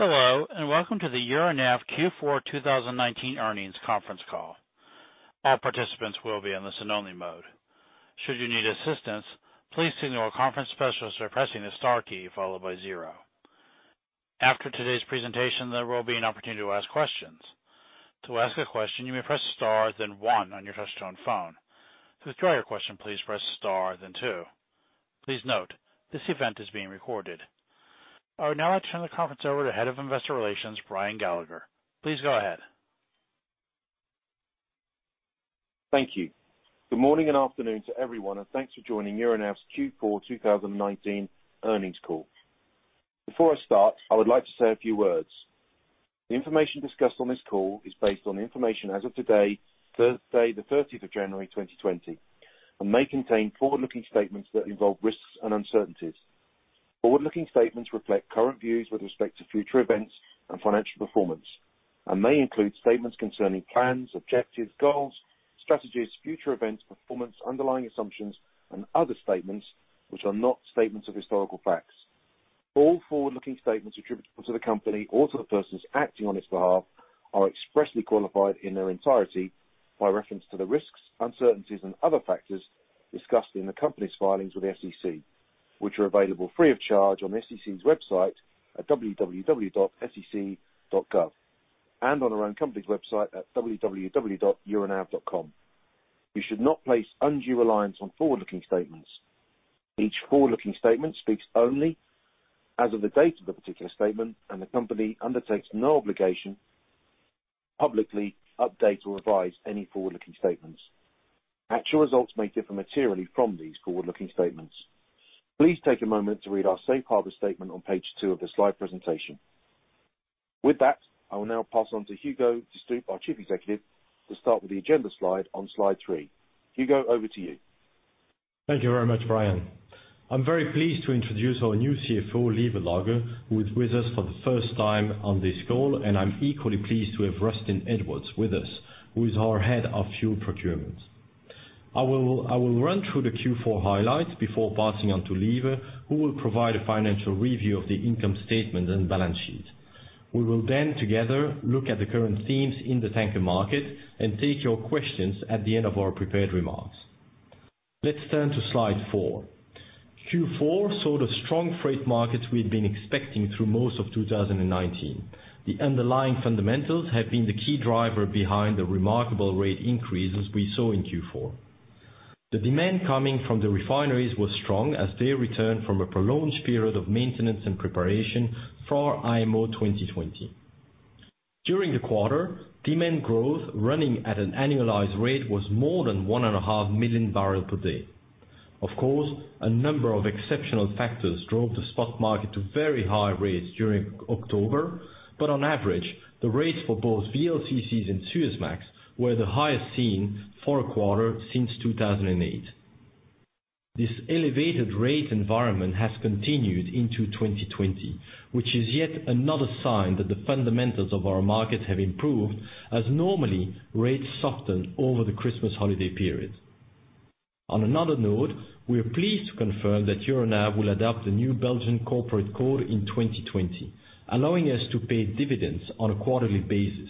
Hello, and welcome to the Euronav Q4 2019 earnings conference call. All participants will be in listen-only mode. Should you need assistance, please signal a conference specialist by pressing the star key followed by zero. After today's presentation, there will be an opportunity to ask questions. To ask a question, you may press star then one on your touch-tone phone. To withdraw your question, please press star then two. Please note, this event is being recorded. I would now like to turn the conference over to Head of Investor Relations, Brian Gallagher. Please go ahead. Thank you. Good morning and afternoon to everyone, and thanks for joining Euronav's Q4 2019 earnings call. Before I start, I would like to say a few words. The information discussed on this call is based on information as of today, Thursday, the 30th of January, 2020, and may contain forward-looking statements that involve risks and uncertainties. Forward-looking statements reflect current views with respect to future events and financial performance, and may include statements concerning plans, objectives, goals, strategies, future events, performance, underlying assumptions, and other statements which are not statements of historical facts. All forward-looking statements attributable to the company or to the persons acting on its behalf are expressly qualified in their entirety by reference to the risks, uncertainties, and other factors discussed in the company's filings with the SEC, which are available free of charge on the SEC's website at www.sec.gov and on our own company's website at www.euronav.com. You should not place undue reliance on forward-looking statements. Each forward-looking statement speaks only as of the date of the particular statement, and the company undertakes no obligation to publicly update or revise any forward-looking statements. Actual results may differ materially from these forward-looking statements. Please take a moment to read our safe harbor statement on page two of the slide presentation. With that, I will now pass on to Hugo De Stoop, our Chief Executive, to start with the agenda slide on slide three. Hugo, over to you. Thank you very much, Brian. I'm very pleased to introduce our new CFO, Lieve Logghe, who is with us for the first time on this call, and I'm equally pleased to have Rustin Edwards with us, who is our Head of Fuel Procurement. I will run through the Q4 highlights before passing on to Lieve, who will provide a financial review of the income statement and balance sheet. We will then together look at the current themes in the tanker market and take your questions at the end of our prepared remarks. Let's turn to slide four. Q4 saw the strong freight markets we'd been expecting through most of 2019. The underlying fundamentals have been the key driver behind the remarkable rate increases we saw in Q4. The demand coming from the refineries was strong as they returned from a prolonged period of maintenance and preparation for IMO 2020. During the quarter, demand growth running at an annualized rate was more than 1.5 million barrels per day. Of course, a number of exceptional factors drove the spot market to very high rates during October, but on average, the rates for both VLCCs and Suezmax were the highest seen for a quarter since 2008. This elevated rate environment has continued into 2020, which is yet another sign that the fundamentals of our market have improved, as normally rates soften over the Christmas holiday period. On another note, we are pleased to confirm that Euronav will adopt the new Belgian corporate code in 2020, allowing us to pay dividends on a quarterly basis.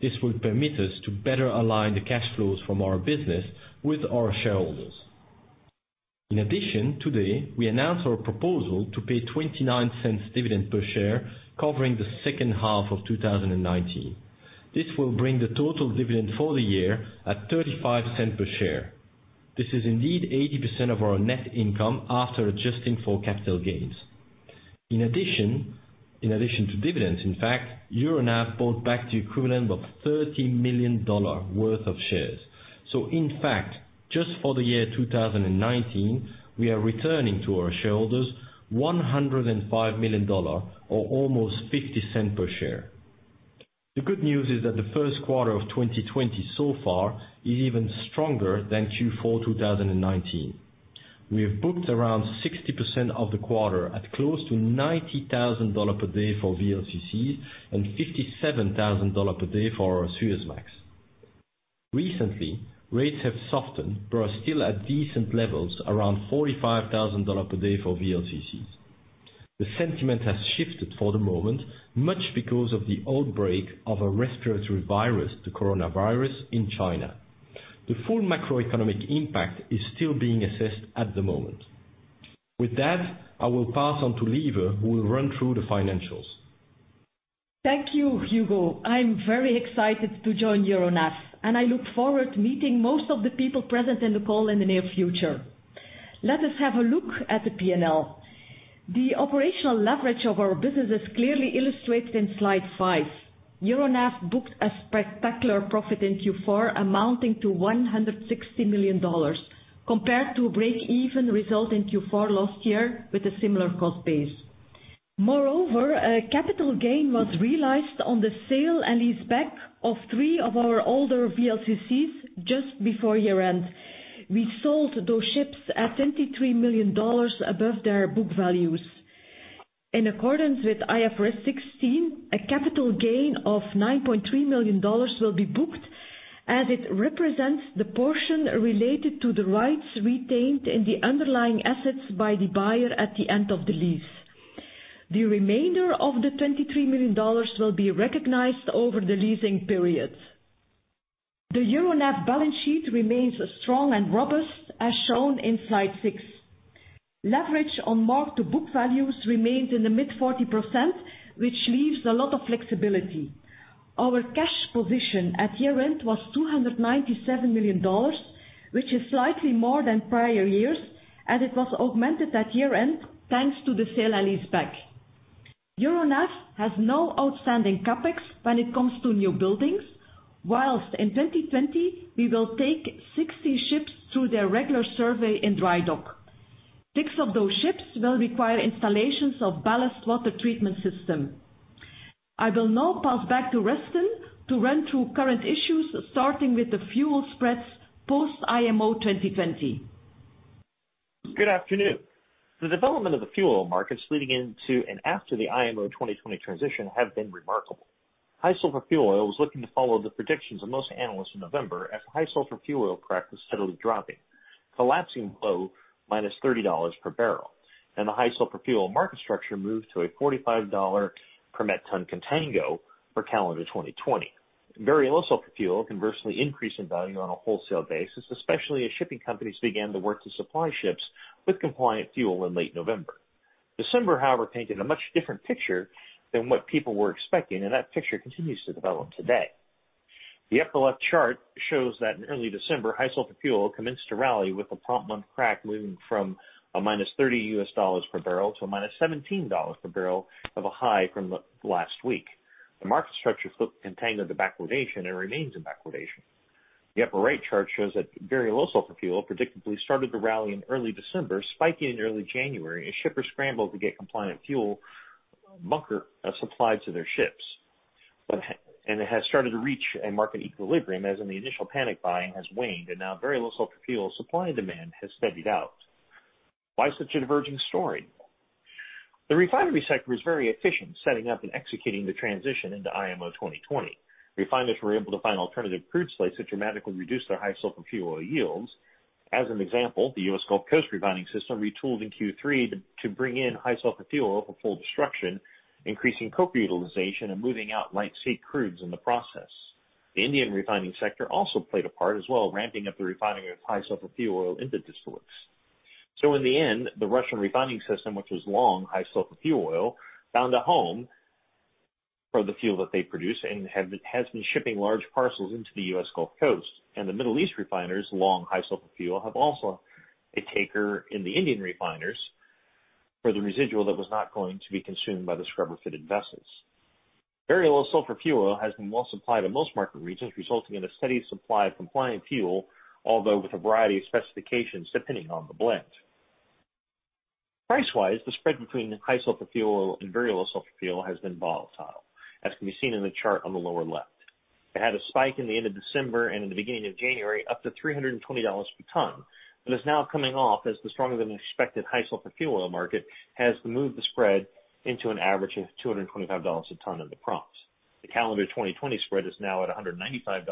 This will permit us to better align the cash flows from our business with our shareholders. Today, we announce our proposal to pay a $0.29 dividend per share covering the second half of 2019. This will bring the total dividend for the year at $0.35 per share. This is indeed 80% of our net income after adjusting for capital gains. In fact, Euronav bought back the equivalent of $30 million worth of shares. In fact, just for the year 2019, we are returning to our shareholders $105 million, or almost $0.50 per share. The good news is that the first quarter of 2020 so far is even stronger than Q4 2019. We have booked around 60% of the quarter at close to $90,000 per day for VLCCs and $57,000 per day for our Suezmax. Recently, rates have softened, are still at decent levels, around $45,000 per day for VLCCs. The sentiment has shifted for the moment, much because of the outbreak of a respiratory virus, the coronavirus, in China. The full macroeconomic impact is still being assessed at the moment. With that, I will pass on to Lieve, who will run through the financials. Thank you, Hugo. I'm very excited to join Euronav, and I look forward to meeting most of the people present in the call in the near future. Let us have a look at the P&L. The operational leverage of our business is clearly illustrated in slide five. Euronav booked a spectacular profit in Q4 amounting to $160 million, compared to a break-even result in Q4 last year with a similar cost base. Moreover, a capital gain was realized on the sale and leaseback of three of our older VLCCs just before year-end. We sold those ships at $23 million above their book values. In accordance with IFRS 16, a capital gain of $9.3 million will be booked. As it represents the portion related to the rights retained in the underlying assets by the buyer at the end of the lease. The remainder of the $23 million will be recognized over the leasing period. The Euronav balance sheet remains strong and robust, as shown in slide six. Leverage on mark-to-book values remained in the mid 40%, which leaves a lot of flexibility. Our cash position at year-end was $297 million, which is slightly more than prior years, and it was augmented at year-end thanks to the sale and leaseback. Euronav has no outstanding CapEx when it comes to new buildings, whilst in 2020, we will take 60 ships through their regular survey in dry dock. Six of those ships will require installations of a ballast water treatment system. I will now pass back to Rustin to run through current issues, starting with the fuel spreads post IMO 2020. Good afternoon. The development of the fuel oil markets leading into and after the IMO 2020 transition have been remarkable. High sulfur fuel oil was looking to follow the predictions of most analysts in November as the high sulfur fuel oil crack was steadily dropping, collapsing below `$-30 per barrel, and the high sulfur fuel oil market structure moved to a `$45` per metric ton contango for calendar `2020. Very low sulfur fuel, conversely, increased in value on a wholesale basis, especially as shipping companies began to work to supply ships with compliant fuel in late November. December, however, painted a much different picture than what people were expecting, and that picture continues to develop today. The upper left chart shows that in early December, high-sulphur fuel commenced to rally with a prompt month crack moving from a $-30 per barrel to a $-17 per barrel of a high from last week. The market structure flipped contango into backwardation and remains in backwardation. The upper-right chart shows that very low-sulphur fuel predictably started to rally in early December, spiking in early January as shippers scrambled to get compliant fuel bunker supplied to their ships. It has started to reach a market equilibrium, as in the initial panic buying has waned, and now very low-sulphur fuel supply and demand has steadied out. Why such a diverging story? The refinery sector is very efficient, setting up and executing the transition into IMO 2020. Refineries were able to find alternative crude slates that dramatically reduced their high-sulphur fuel oil yields. As an example, the U.S. Gulf Coast refining system retooled in Q3 to bring in High-Sulphur Fuel Oil for full destruction, increasing coke utilization and moving out light sweet crudes in the process. The Indian refining sector also played a part as well, ramping up the refining of High-Sulphur Fuel Oil into distillates. In the end, the Russian refining system, which was long High-Sulphur Fuel Oil, found a home for the fuel that they produce and has been shipping large parcels into the U.S. Gulf Coast. The Middle East refiners, long High-Sulphur Fuel, have also a taker in the Indian refiners for the residual that was not going to be consumed by the scrubber-fitted vessels. Very Low-Sulphur Fuel Oil has been well supplied in most market regions, resulting in a steady supply of compliant fuel, although with a variety of specifications, depending on the blend. Price-wise, the spread between High-Sulphur Fuel Oil and Very Low-Sulphur Fuel Oil has been volatile, as can be seen in the chart on the lower left. It had a spike in the end of December and in the beginning of January, up to $320 per ton, but is now coming off as the stronger-than-expected High-Sulphur Fuel Oil market has moved the spread into an average of $225 a ton in the prompts. The calendar 2020 spread is now at $195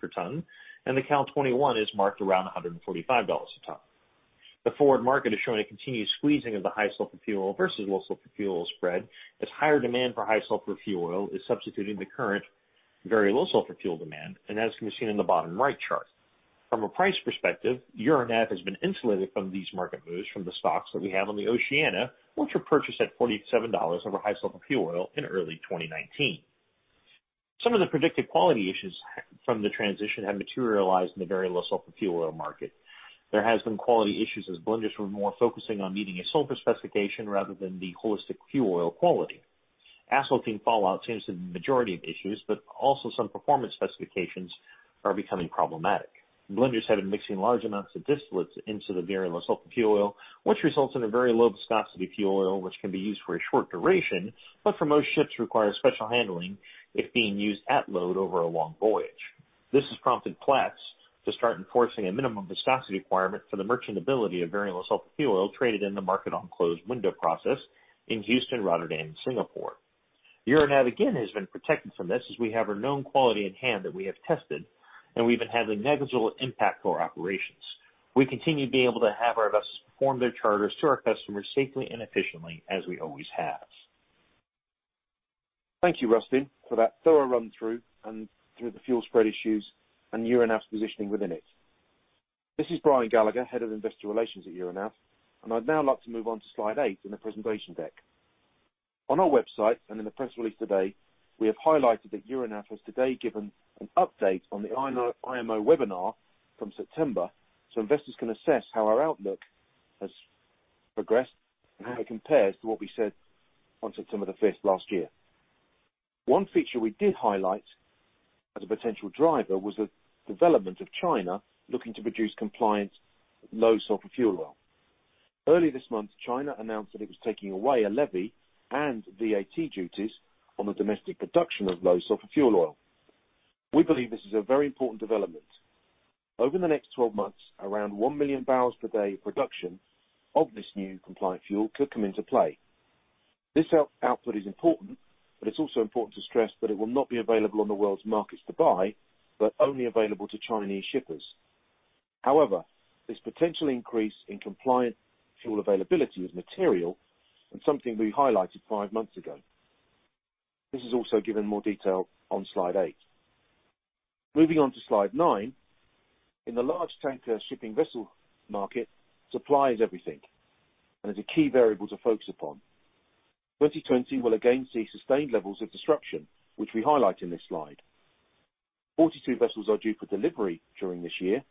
per ton, and the cal 2021 is marked around $145 a ton. The forward market is showing a continued squeezing of the High-Sulphur Fuel Oil versus Low-Sulphur Fuel Oil spread, as higher demand for High-Sulphur Fuel Oil is substituting the current very Low-Sulphur Fuel Oil demand, and as can be seen in the bottom-right chart. From a price perspective, Euronav has been insulated from these market moves from the stocks that we have on the Oceania, which were purchased at $47 over High-Sulphur Fuel Oil in early 2019. Some of the predicted quality issues from the transition have materialized in the very Low-Sulphur Fuel Oil market. There has been quality issues as blenders were more focusing on meeting a sulphur specification rather than the holistic fuel oil quality. Asphaltene fallout seems to be the majority of issues, but also some performance specifications are becoming problematic. Blenders have been mixing large amounts of distillates into the very Low-Sulfur Fuel Oil, which results in a very Low Viscosity Fuel Oil which can be used for a short duration, but for most ships, requires special handling if being used at load over a long voyage. This has prompted Platts to start enforcing a minimum viscosity requirement for the merchantability of very Low-Sulfur Fuel Oil traded in the market on a closed window process in Houston, Rotterdam, and Singapore. Euronav, again, has been protected from this, as we have our known quality in hand that we have tested, and we've been having a negligible impact to our operations. We continue to be able to have our vessels perform their charters to our customers safely and efficiently, as we always have. Thank you, Rustin, for that thorough run-through and through the fuel spread issues and Euronav's positioning within it. This is Brian Gallagher, Head of Investor Relations at Euronav. I'd now like to move on to slide eight in the presentation deck. On our website and in the press release today, we have highlighted that Euronav has today given an update on the IMO webinar from September, so investors can assess how our outlook has progressed and how it compares to what we said on September 5th last year. One feature we did highlight as a potential driver was the development of China, looking to produce compliant Low-Sulphur Fuel Oil. Early this month, China announced that it was taking away a levy and VAT duties on the domestic production of Low-Sulphur Fuel Oil. We believe this is a very important development. Over the next 12 months, around 1 million barrels per day of production of this new compliant fuel could come into play. This output is important, but it's also important to stress that it will not be available on the world's markets to buy, but only available to Chinese shippers. This potential increase in compliant fuel availability is material and something we highlighted five months ago. This is also given more detail on slide eight. Moving on to slide nine. In the large tanker shipping vessel market, supply is everything and is a key variable to focus upon. 2020 will again see sustained levels of disruption, which we highlight in this slide. 42 vessels are due for delivery during this year,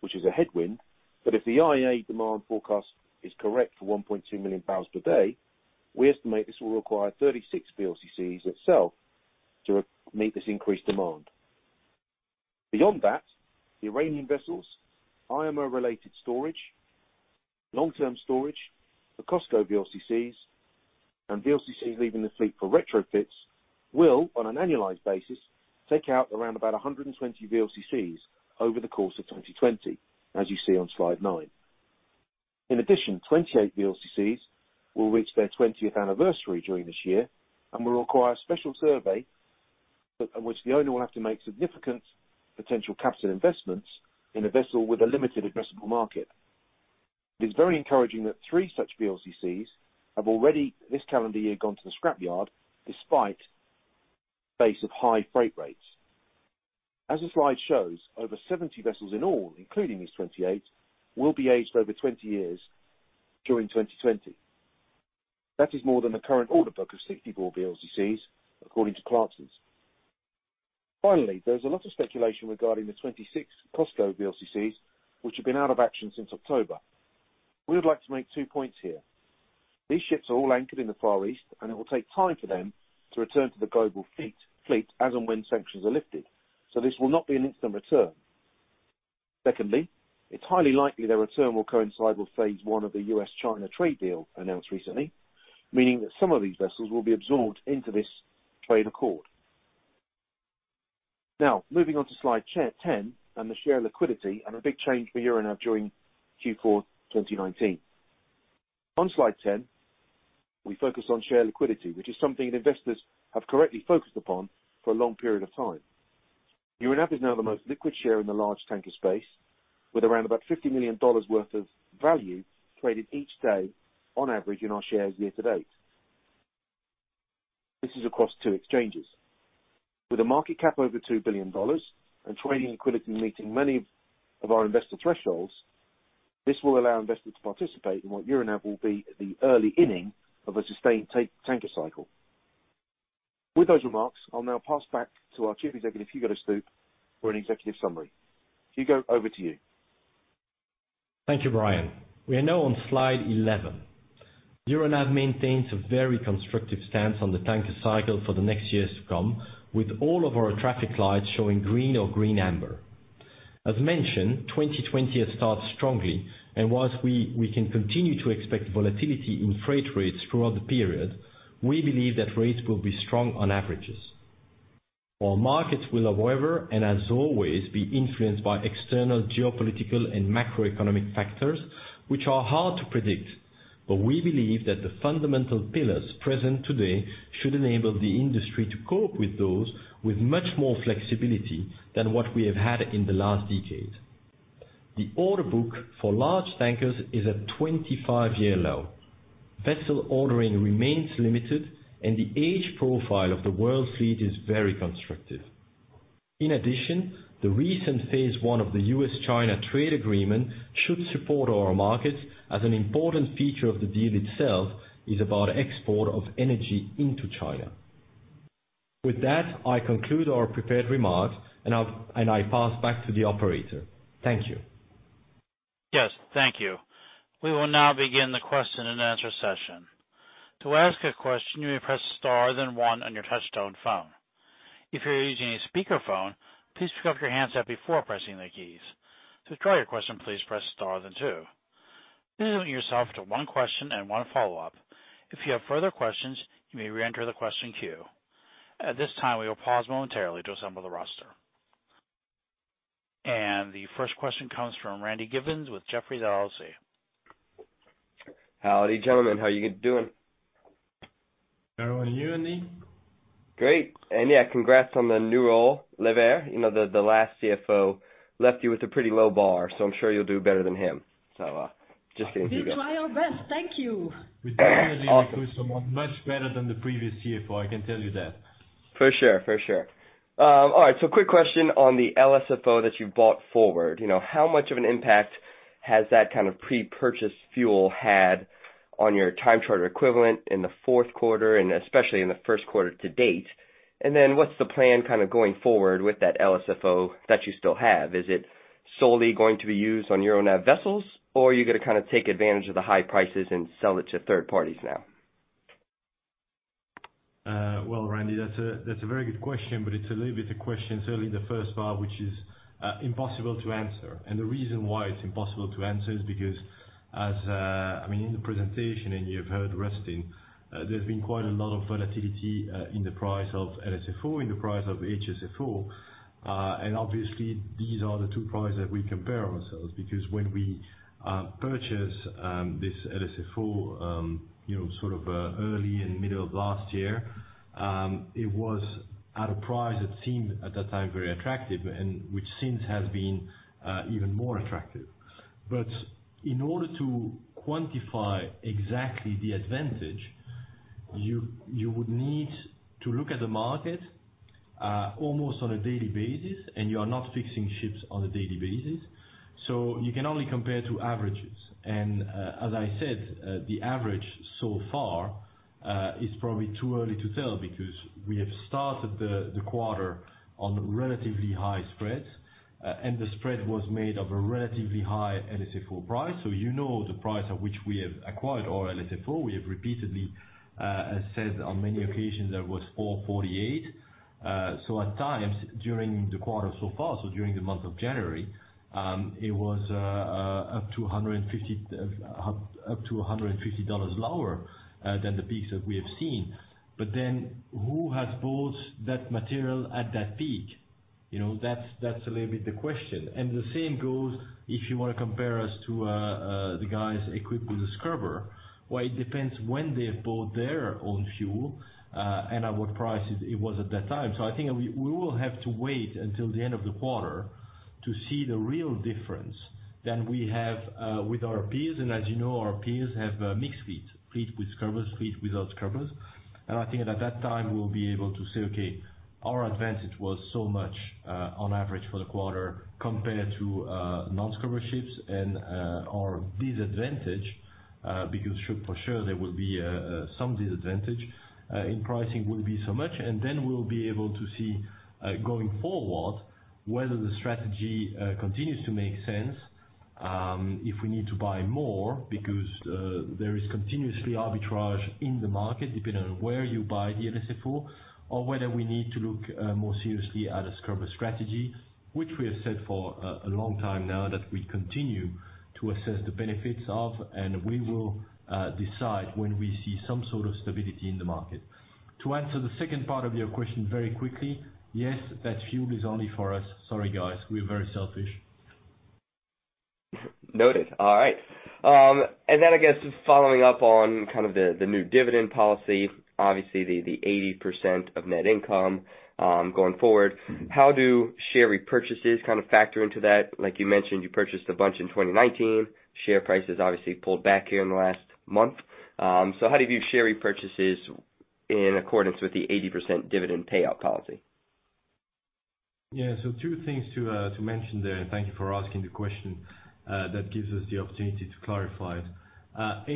which is a headwind, but if the IEA demand forecast is correct for 1.2 million barrels per day, we estimate this will require 36 VLCCs itself to meet this increased demand. Beyond that, the Iranian vessels, IMO-related storage, long-term storage, the COSCO VLCCs, and VLCCs leaving the fleet for retrofits will, on an annualized basis, take out around about 120 VLCCs over the course of 2020, as you see on slide nine. In addition, 28 VLCCs will reach their 20th anniversary during this year and will require a special survey, at which the owner will have to make significant potential capital investments in a vessel with a limited addressable market. It is very encouraging that three such VLCCs have already, this calendar year, gone to the scrapyard despite the face of high freight rates. As the slide shows, over 70 vessels in all, including these 28, will be aged over 20 years during 2020. That is more than the current order book of 64 VLCCs, according to Clarksons. Finally, there's a lot of speculation regarding the 26 COSCO VLCCs, which have been out of action since October. We would like to make two points here. These ships are all anchored in the Far East, and it will take time for them to return to the global fleet as and when sanctions are lifted. This will not be an instant return. Secondly, it's highly likely their return will coincide with phase 1 of the U.S.-China trade deal announced recently, meaning that some of these vessels will be absorbed into this trade accord. Moving on to slide 10 and the share liquidity, and a big change for Euronav during Q4 2019. On slide 10, we focus on share liquidity, which is something that investors have correctly focused upon for a long period of time. Euronav is now the most liquid share in the large tanker space, with around about $50 million worth of value traded each day on average in our shares year-to-date. This is across two exchanges. With a market cap over $2 billion and trading liquidity meeting many of our investor thresholds, this will allow investors to participate in what Euronav will be in the early innings of a sustained tanker cycle. With those remarks, I'll now pass back to our Chief Executive, Hugo De Stoop, for an executive summary. Hugo, over to you. Thank you, Brian. We are now on slide 11. Euronav maintains a very constructive stance on the tanker cycle for the next years to come, with all of our traffic lights showing green or green amber. Whilst we can continue to expect volatility in freight rates throughout the period, we believe that rates will be strong on average. Our markets will, however, and as always, be influenced by external geopolitical and macroeconomic factors, which are hard to predict. We believe that the fundamental pillars present today should enable the industry to cope with those with much more flexibility than what we have had in the last decade. The order book for large tankers is at a 25-year low. Vessel ordering remains limited, the age profile of the world fleet is very constructive. The recent phase one of the U.S.-China trade agreement should support our markets as an important feature of the deal itself is about export of energy into China. With that, I conclude our prepared remarks, and I pass back to the operator. Thank you. Yes. Thank you. We will now begin the question-and-answer session. To ask a question, you may press star then one on your touchtone phone. If you're using a speakerphone, please pick up your handset before pressing the keys. To withdraw your question, please press star then two. Please limit yourself to one question and one follow-up. If you have further questions, you may re-enter the question queue. At this time, we will pause momentarily to assemble the roster. The first question comes from Randy Giveans with Jefferies LLC. Howdy, gentlemen. How are you doing? Very well. You, Randy? Great. Yeah, congrats on the new role, Lieve. You know, the last CFO left you with a pretty low bar. I'm sure you'll do better than him. Just saying to you guys. We try our best. Thank you. Awesome. We clearly recruited someone much better than the previous CFO, I can tell you that. For sure. All right. Quick question on the LSFO that you bought forward. How much of an impact has that kind of pre-purchase fuel had on your time charter equivalent in the fourth quarter and especially in the first quarter to date? What's the plan kind of going forward with that LSFO that you still have? Is it solely going to be used on your own vessels, or are you going to take advantage of the high prices and sell it to third parties now? Randy, that's a very good question, but it's a little bit of a question, certainly the first part, which is impossible to answer. The reason why it's impossible to answer is because, in the presentation, you've heard Rustin, there's been quite a lot of volatility in the price of LSFO, in the price of HSFO. Obviously, these are the two prices that we compare ourselves, because when we purchased this LSFO, sort of early and middle of last year, it was at a price that seemed at that time very attractive, and which, since has been even more attractive. In order to quantify exactly the advantage, you would need to look at the market almost on a daily basis, and you are not fixing ships on a daily basis, so you can only compare two averages. As I said, the average so far is probably too early to tell, because we have started the quarter on relatively high spreads. The spread was made of a relatively high LSFO price. You know the price at which we have acquired our LSFO; we have repeatedly said on many occasions that it was $448. At times during the quarter so far, during the month of January, it was up to $250 lower than the peaks that we have seen. Who has bought that material at that peak? That's a little bit of the question. The same goes if you want to compare us to the guys equipped with a scrubber. Well, it depends on when they have bought their own fuel, and at what price it was at that time. I think we will have to wait until the end of the quarter to see the real difference than we have with our peers. As you know, our peers have a mixed fleet with scrubbers, fleet without scrubbers. I think that at that time, we will be able to say, okay, our advantage was so much on average for the quarter compared to non-scrubber ships. Our disadvantage, because for sure there will be some disadvantage in pricing, will be so much. We will be able to see, going forward, whether the strategy continues to make sense, if we need to buy more, because there is continuously arbitrage in the market depending on where you buy the LSFO, or whether we need to look more seriously at a scrubber strategy, which we have said for a long time now that we continue to assess the benefits of, and we will decide when we see some sort of stability in the market. To answer the second part of your question very quickly, yes, that fuel is only for us. Sorry, guys. We are very selfish. Noted. All right. I guess just following up on kind of the new dividend policy, obviously, the 80% of net income going forward. How do share repurchases kind of factor into that? Like you mentioned, you purchased a bunch in 2019. Share price has obviously pulled back here in the last month. How do you view share repurchases in accordance with the 80% dividend payout policy? Yeah. Two things to mention there, and thank you for asking the question. That gives us the opportunity to clarify it. 80%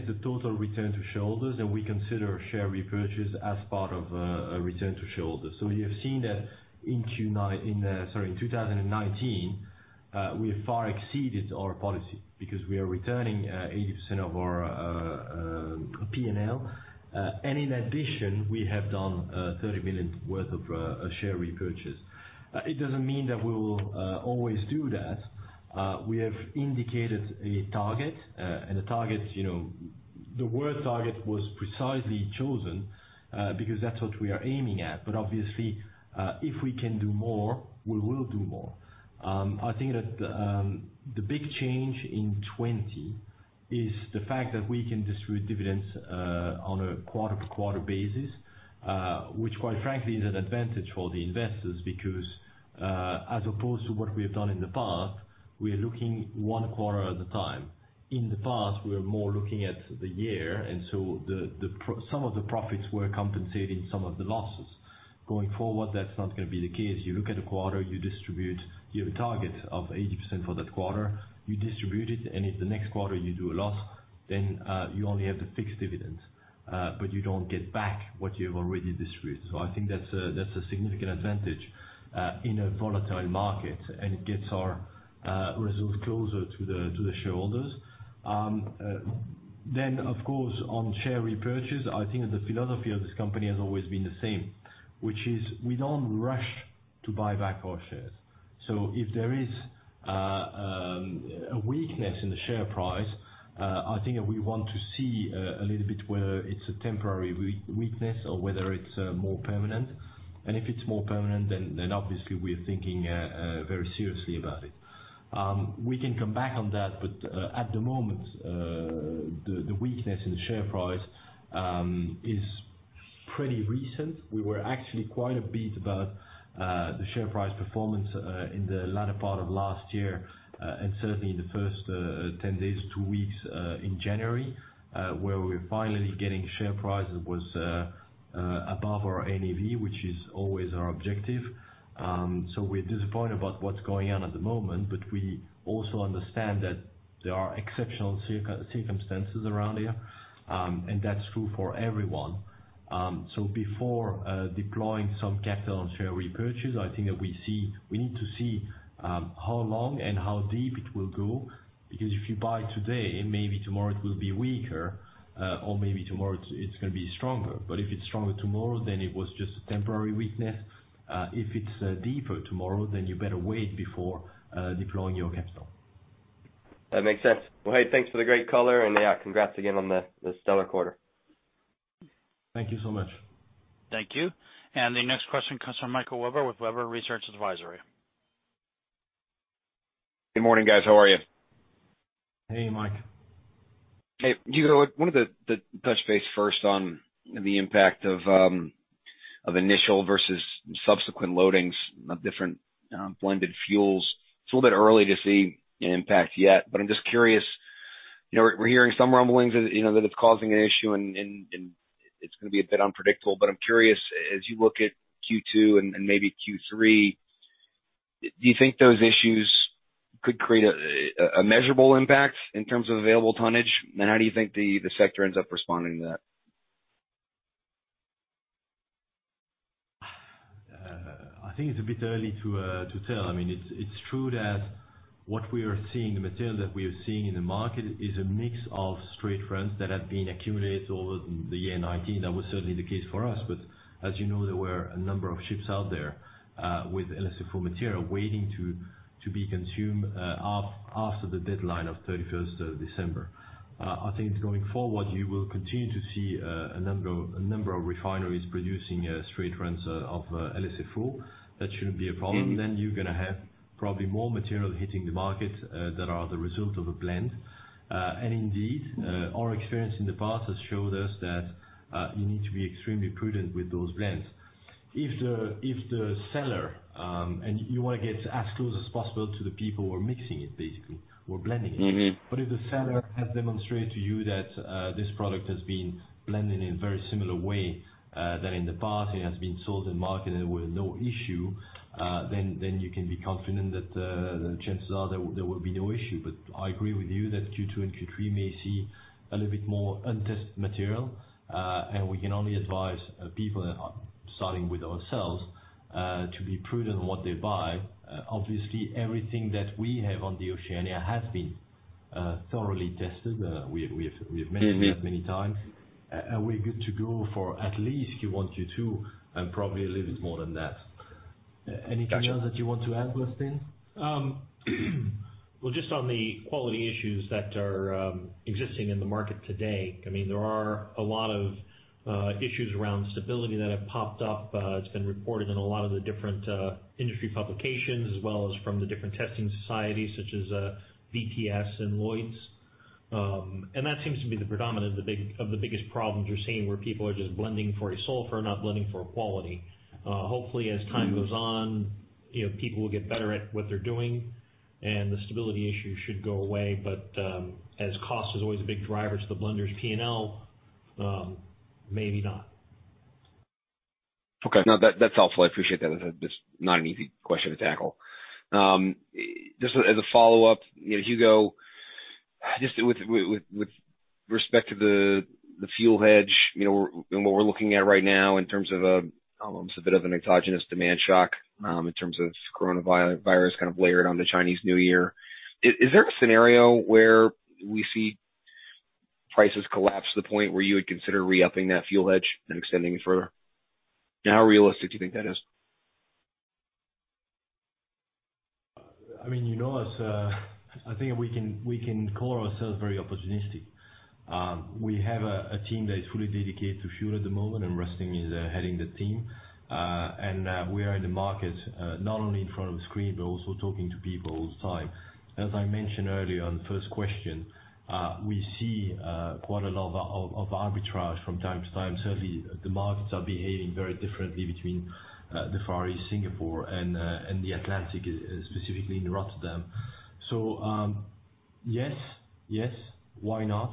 is the total return to shareholders, and we consider share repurchases as part of a return to shareholders. You have seen that in 2019, we have far exceeded our policy because we are returning 80% of our P&L. In addition, we have done $30 million worth of share repurchases. It doesn't mean that we will always do that. We have indicated a target, and the word target was precisely chosen, because that's what we are aiming at. Obviously, if we can do more, we will do more. I think that the big change in 2020 is the fact that we can distribute dividends on a quarter-to-quarter basis. Quite frankly is an advantage for the investors because, as opposed to what we have done in the past, we are looking one quarter at a time. In the past, we were more looking at the year; some of the profits were compensating some of the losses. Going forward, that's not going to be the case. You look at a quarter, you distribute. You have a target of 80% for that quarter. You distribute it, if the next quarter you do a loss, you only have the fixed dividends. You don't get back what you have already distributed. I think that's a significant advantage in a volatile market, and it gets our results closer to the shareholders. Of course, on share repurchase, I think the philosophy of this company has always been the same, which is we don't rush to buy back our shares. If there is a weakness in the share price, I think that we want to see a little bit whether it's a temporary weakness or whether it's more permanent. If it's more permanent, then obviously we are thinking very seriously about it. We can come back on that, but at the moment, the weakness in the share price is pretty recent. We were actually quite upbeat about the share price performance in the latter part of last year, and certainly in the first 10 days to weeks in January, where we were finally getting share prices above our NAV, which is always our objective. We are disappointed about what's going on at the moment, but we also understand that there are exceptional circumstances around here. That's true for everyone. Before deploying some capital on share repurchases, I think that we need to see how long and how deep it will go. If you buy today, maybe tomorrow it will be weaker, or maybe tomorrow it's going to be stronger. If it's stronger tomorrow, then it was just a temporary weakness. If it's deeper tomorrow, then you better wait before deploying your capital. That makes sense. Well, hey, thanks for the great color, and yeah, congrats again on the stellar quarter. Thank you so much. Thank you. The next question comes from Michael Webber with Webber Research & Advisory. Good morning, guys. How are you? Hey, Mike. Hey. Hugo, I wanted to touch base first on the impact of initial versus subsequent loadings of different blended fuels. It's a little bit early to see an impact yet, but I'm just curious. We're hearing some rumblings that it's causing an issue, and it's going to be a bit unpredictable. I'm curious, as you look at Q2 and maybe Q3, do you think those issues could create a measurable impact in terms of available tonnage? How do you think the sector ends up responding to that? I think it's a bit early to tell. It's true that what we are seeing, the material that we are seeing in the market, is a mix of straight runs that have been accumulated over the year 2019. That was certainly the case for us. As you know, there were a number of ships out there with LSFO material waiting to be consumed after the deadline of the 31st of December. I think going forward, you will continue to see a number of refineries producing straight runs of LSFO. That shouldn't be a problem. You're going to have probably more material hitting the market that are the result of a blend. Indeed, our experience in the past has showed us that you need to be extremely prudent with those blends. If the seller, and you want to get as close as possible to the people who are mixing it, basically, who are blending it. If the seller has demonstrated to you that this product has been blended in a very similar way, that in the past it has been sold and marketed with no issue, then you can be confident that the chances are there will be no issue. I agree with you that Q2 and Q3 may see a little bit more untested material. We can only advise people, starting with ourselves, to be prudent on what they buy. Obviously, everything that we have on the Oceania has been thoroughly tested. We have mentioned that many times. We're good to go for at least Q1, Q2, and probably a little bit more than that. Anything else that you want to add, Rustin? Well, just on the quality issues that are existing in the market today, there are a lot of issues around stability that have popped up. It's been reported in a lot of the different industry publications, as well as from the different testing societies, such as VPS and Lloyd's Register. That seems to be the predominant of the biggest problems we're seeing, where people are just blending for a sulfur, not blending for a quality. Hopefully, as time goes on, people will get better at what they're doing, and the stability issue should go away. As cost is always a big driver to the blender's P&L, maybe not. Okay. No, that's helpful. I appreciate that. That's not an easy question to tackle. Just as a follow-up, Hugo, just with respect to the fuel hedge, what we're looking at right now in terms of a bit of an exogenous demand shock, in terms of coronavirus, kind of layered on the Chinese New Year. Is there a scenario where we see prices collapse to the point where you would consider re-upping that fuel hedge and extending it further? How realistic do you think that is? I think we can call ourselves very opportunistic. We have a team that is fully dedicated to fuel at the moment. Rustin is heading the team. We are in the market, not only in front of the screen, but also talking to people all the time. As I mentioned earlier on the first question, we see quite a lot of arbitrage from time to time. Certainly, the markets are behaving very differently between the Far East, Singapore, and the Atlantic, specifically in Rotterdam. Yes, why not?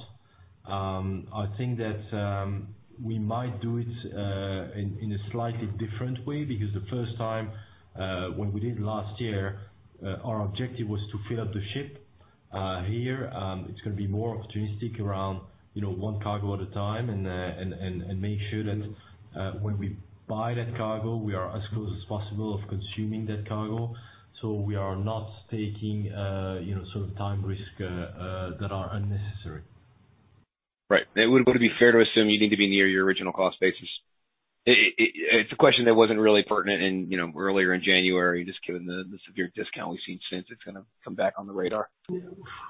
I think that we might do it in a slightly different way, because the first time, when we did it last year, our objective was to fill up the ship. Here, it's going to be more opportunistic around one cargo at a time, and make sure that when we buy that cargo, we are as close as possible of consuming that cargo, so we are not taking time risks that are unnecessary. Right. Would it be fair to assume you need to be near your original cost basis? It's a question that wasn't really pertinent earlier in January, just given the severe discount we've seen since. It's going to come back on the radar.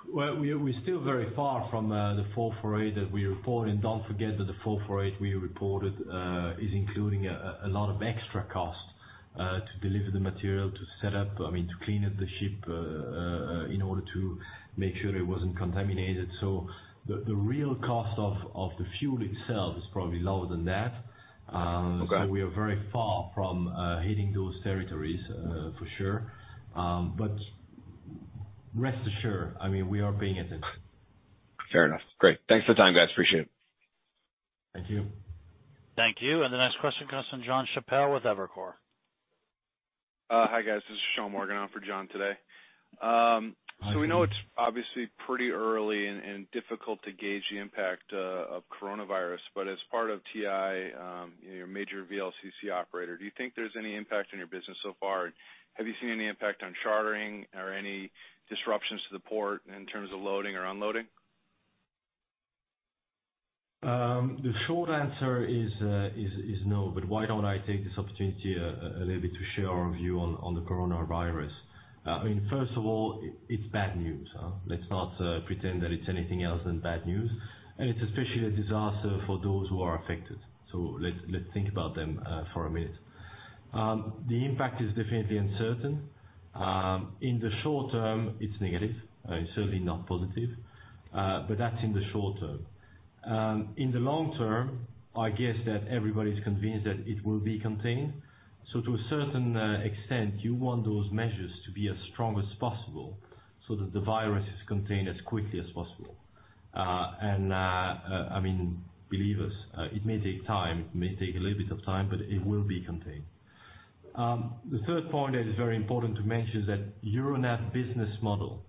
Well, we're still very far from the $448 that we reported. Don't forget that the $448 we reported is including a lot of extra costs to deliver the material, to set up, and to clean up the ship in order to make sure it wasn't contaminated. The real cost of the fuel itself is probably lower than that. Okay. We are very far from hitting those territories, for sure. Rest assured, we are being attentive. Fair enough. Great. Thanks for the time, guys. Appreciate it. Thank you. Thank you. The next question comes from Jon Chappell with Evercore. Hi, guys. This is Sean Morgan on for Jon today. Hi. We know it's obviously pretty early and difficult to gauge the impact of coronavirus, but as part of TI, your major VLCC operator, do you think there's any impact on your business so far? Have you seen any impact on chartering or any disruptions to the port in terms of loading or unloading? The short answer is no. Why don't I take this opportunity a little bit to share our view on the coronavirus? First of all, it's bad news. Let's not pretend that it's anything else than bad news. It's especially a disaster for those who are affected. Let's think about them for a minute. The impact is definitely uncertain. In the short term, it's negative. It's certainly not positive. That's in the short term. In the long term, I guess that everybody's convinced that it will be contained. To a certain extent, you want those measures to be as strong as possible so that the virus is contained as quickly as possible. Believe us, it may take time. It may take a little bit of time, it will be contained. The third point that is very important to mention is that Euronav's business model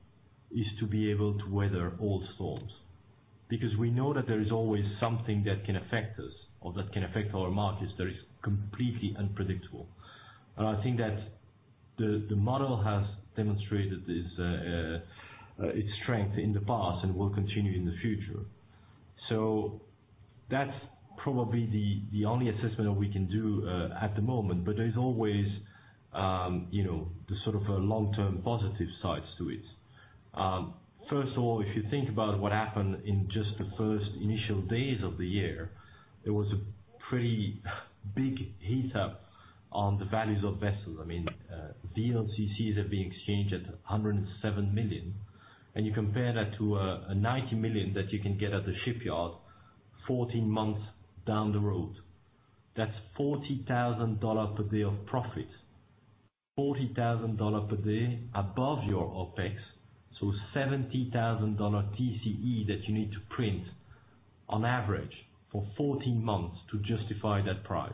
is to be able to weather all storms, because we know that there is always something that can affect us or that can affect our markets that is completely unpredictable. I think that the model has demonstrated its strength in the past and will continue in the future. That's probably the only assessment that we can do, at the moment. There's always the sort of long-term positive sides to it. First of all, if you think about what happened in just the first initial days of the year, there was a pretty big heat-up on the values of vessels. VLCCs are being exchanged at $107 million, and you compare that to a $90 million that you can get at the shipyard 14 months down the road. That's $40,000 per day of profit, $40,000 per day above your OpEx. $70,000 TCE that you need to print on average for 14 months to justify that price.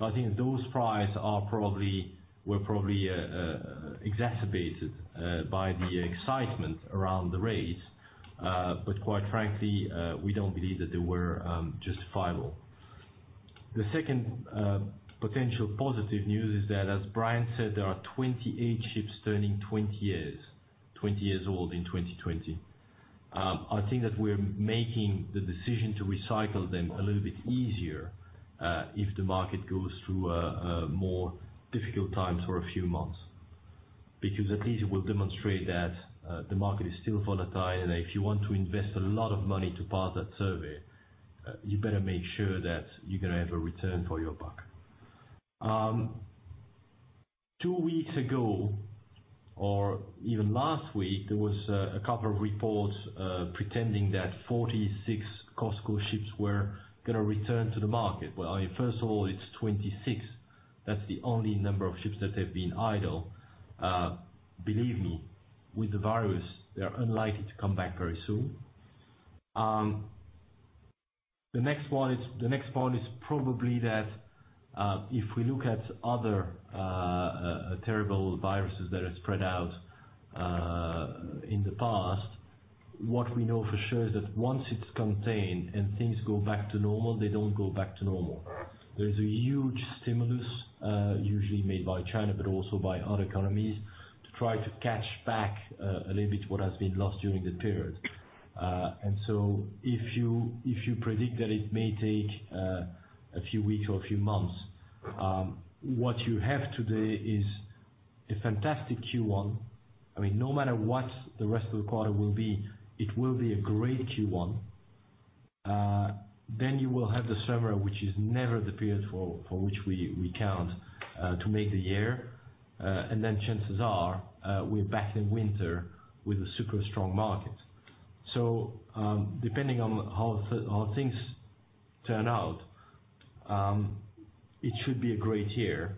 I think those prices were probably exacerbated by the excitement around the rates. Quite frankly, we don't believe that they were justifiable. The second potential positive news is that, as Brian said, there are 28 ships turning 20 years, 20 years old in 2020. I think that we're making the decision to recycle them a little bit easier, if the market goes through a more difficult time for a few months, because at least it will demonstrate that the market is still volatile. If you want to invest a lot of money to pass that survey, you better make sure that you're going to have a return for your buck. Two weeks ago, or even last week, there was a couple of reports pretending that 46 COSCO ships were going to return to the market. First of all, it's 26. That's the only number of ships that have been idle. Believe me, with the virus, they are unlikely to come back very soon. The next point is probably that, if we look at other terrible viruses that have spread out in the past, what we know for sure is that once it's contained and things go back to normal, they don't go back to normal. There is a huge stimulus, usually made by China, but also by other economies, to try to catch back a little bit of what has been lost during that period. If you predict that it may take a few weeks or a few months, what you have today is a fantastic Q1. No matter what the rest of the quarter will be, it will be a great Q1. You will have the summer, which is never the period for which we count to make the year. Chances are, we're back in winter with a super-strong market. Depending on how things turn out, it should be a great year.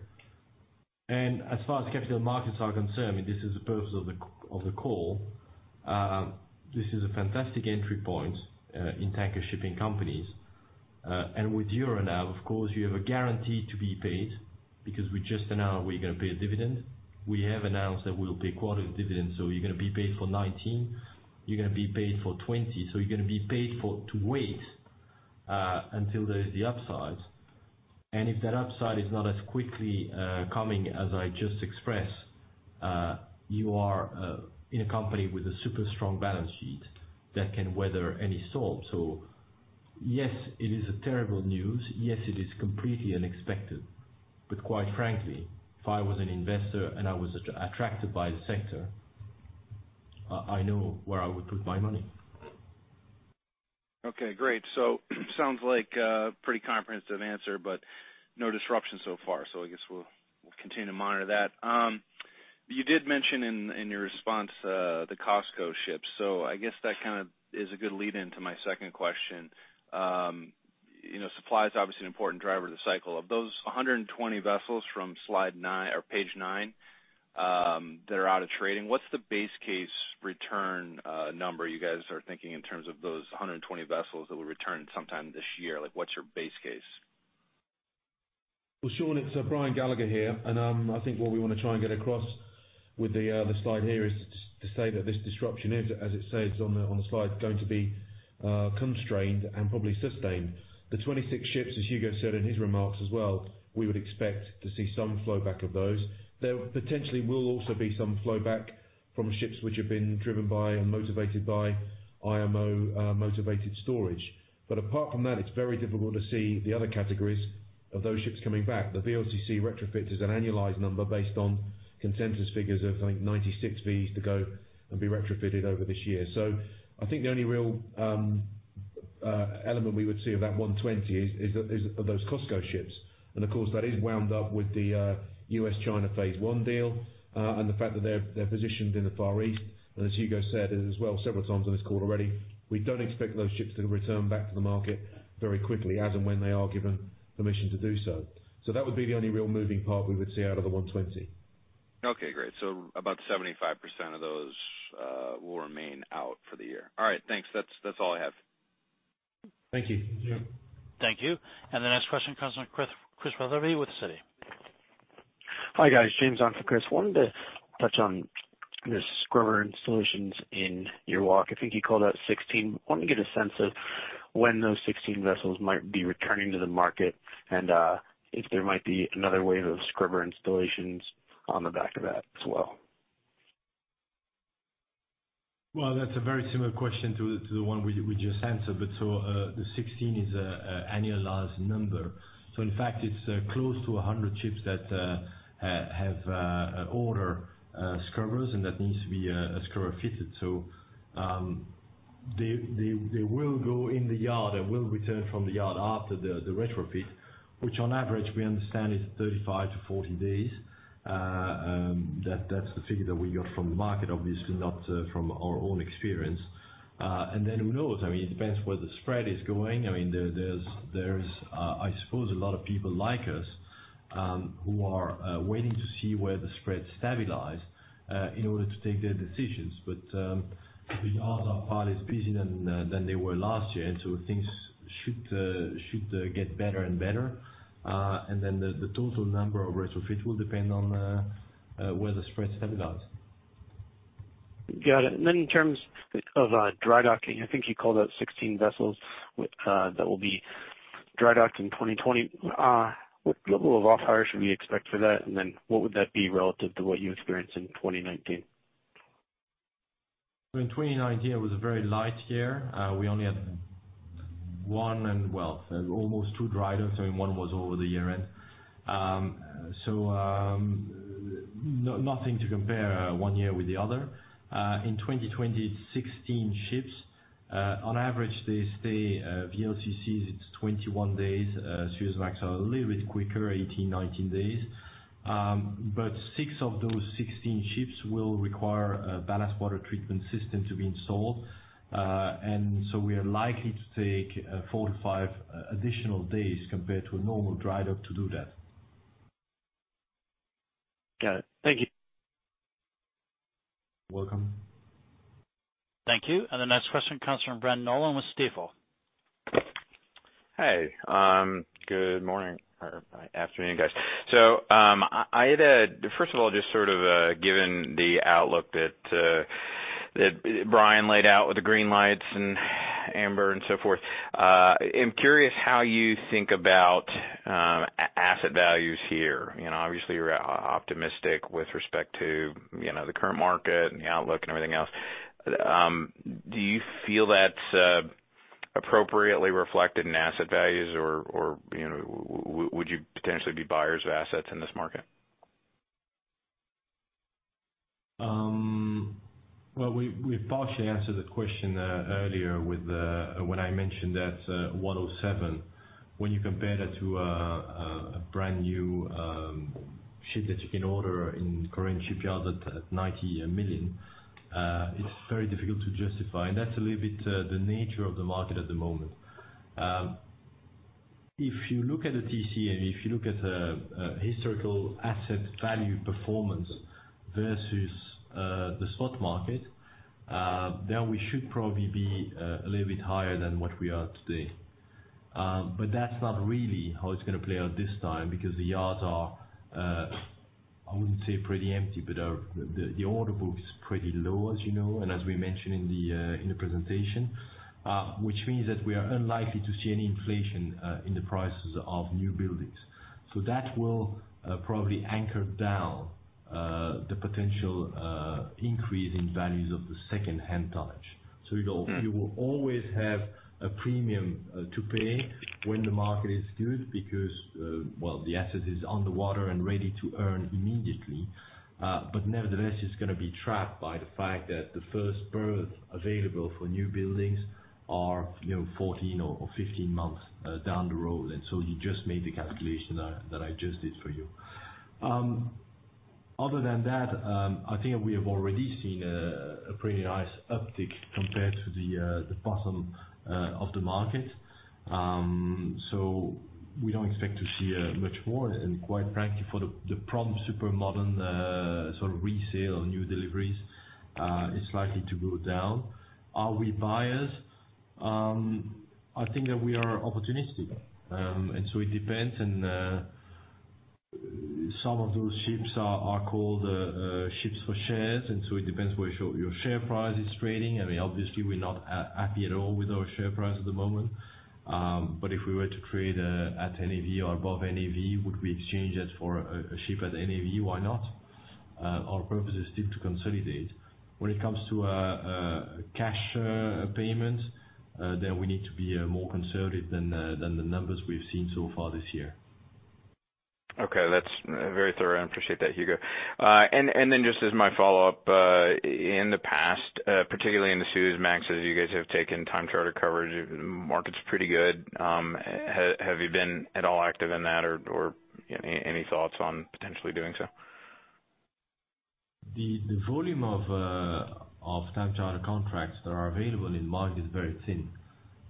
As far as capital markets are concerned, this is the purpose of the call. This is a fantastic entry point in tanker shipping companies. With Euronav, of course, you have a guarantee to be paid because we just announced we're going to pay a dividend. We have announced that we will pay a quarter dividend. You're going to be paid for 2019, you're going to be paid for 2020, so you're going to be paid to wait until there is the upside. If that upside is not as quickly coming as I just expressed, you are in a company with a super strong balance sheet that can weather any storm. Yes, it is terrible news. Yes, it is completely unexpected. Quite frankly, if I was an investor and I was attracted by the sector, I know where I would put my money. Okay, great. Sounds like a pretty comprehensive answer, but no disruption so far. I guess we'll continue to monitor that. You did mention in your response the COSCO ships. I guess that is a good lead into my second question. Supply is obviously an important driver of the cycle. Of those 120 vessels from slide nine or page nine that are out of trading, what's the base case return number you guys are thinking in terms of those 120 vessels that will return sometime this year? What's your base case? It's Brian Gallagher here, and I think what we want to try and get across with the slide here is to say that this disruption is, as it says on the slide, going to be constrained and probably sustained. The 26 ships, as Hugo said in his remarks as well, we would expect to see some flow back of those. There will also potentially be some flow back from ships which have been driven by or motivated by IMO-motivated storage. But apart from that, it's very difficult to see the other categories of those ships coming back. The VLCC retrofit is an annualized number based on consensus figures of, I think, 96 Vs to go and be retrofitted over this year. So I think the only real element we would see of that 120 is those COSCO ships. Of course, that is wound up with the U.S.-China phase one deal, and the fact that they're positioned in the Far East. As Hugo said as well several times on this call already, we don't expect those ships to return back to the market very quickly, as and when they are given permission to do so. That would be the only real moving part we would see out of the 120. Okay, great. About 75% of those will remain out for the year. All right. Thanks. That's all I have. Thank you. Yeah. Thank you. The next question comes from Chris Wetherbee with Citi. Hi, guys. James on for Chris. I wanted to touch on the scrubber installations in your fleet. I think you called out 16. I want to get a sense of when those 16 vessels might be returning to the market and if there might be another wave of scrubber installations on the back of that as well. That's a very similar question to the one we just answered. The 16 is annualized number. In fact, it's close to 100 ships that have older scrubbers and that need to be a scrubber fitted. They will go in the yard and will return from the yard after the retrofit, which, on average, we understand is 35-40 days. That's the figure that we got from the market, obviously, not from our own experience. Who knows? It depends on where the spread is going. There's, I suppose, a lot of people like us who are waiting to see where the spread stabilizes in order to take their decisions. The yards are partly busier than they were last year; things should get better and better. The total number of retrofits will depend on where the spread stabilizes. Got it. In terms of dry docking, I think you called out 16 vessels that will be dry-docked in 2020. What level of off-hire should we expect for that? What would that be relative to what you experienced in 2019? 2019 was a very light year. We only had one and, well, almost two dry docks. I mean, one was over the year-end. Nothing to compare one year with the other. In 2020, it's 16 ships. On average, they stay, VLCCs, it's 21 days. Suezmax are a little bit quicker, 18-19 days. Six of those 16 ships will require a ballast water treatment system to be installed. We are likely to take four to five additional days compared to a normal dry dock to do that. Got it. Thank you. Welcome. Thank you. The next question comes from Ben Nolan with Stifel. Hey, good morning or afternoon, guys. First of all, just sort of given the outlook that Brian laid out with the green lights and amber and so forth, I'm curious how you think about asset values here. Obviously, you're optimistic with respect to the current market and the outlook and everything else. Do you feel that's appropriately reflected in asset values, or would you potentially be a buyers of assets in this market? Well, we partially answered the question earlier when I mentioned that 107. When you compare that to a brand new ship that you can order in a Korean shipyard at $90 million, it's very difficult to justify. That's a little bit of the nature of the market at the moment. If you look at the TCE, if you look at the historical asset value performance versus the spot market, then we should probably be a little bit higher than what we are today. That's not really how it's going to play out this time because the yards are, I wouldn't say pretty empty, but the order book is pretty low, as you know, and as we mentioned in the presentation, which means that we are unlikely to see any inflation in the prices of new buildings. That will probably anchor down the potential increase in values of the secondhand tonnage. You will always have a premium to pay when the market is good because, well, the asset is on the water and ready to earn immediately. Nevertheless, it's going to be trapped by the fact that the first berth available for new buildings are 14 or 15 months down the road. You just made the calculation that I just did for you. Other than that, I think we have already seen a pretty nice uptick compared to the bottom of the market. We don't expect to see much more. Quite frankly, for the prompt super modern sort of resale, new deliveries, it's likely to go down. Are we buyers? I think that we are opportunistic. It depends. Some of those ships are called ships for shares. It depends where your share price is trading. I mean, obviously, we're not happy at all with our share price at the moment. If we were to create at NAV or above NAV, would we exchange that for a ship at NAV? Why not? Our purpose is still to consolidate. When it comes to cash payments, we need to be more conservative than the numbers we've seen so far this year. Okay. That's very thorough. I appreciate that, Hugo. Just as a follow-up, in the past, particularly in the Suezmaxes, you guys have taken time charter coverage. Market's pretty good. Have you been at all active in that, or any thoughts on potentially doing so? The volume of time charter contracts that are available in the market is very thin,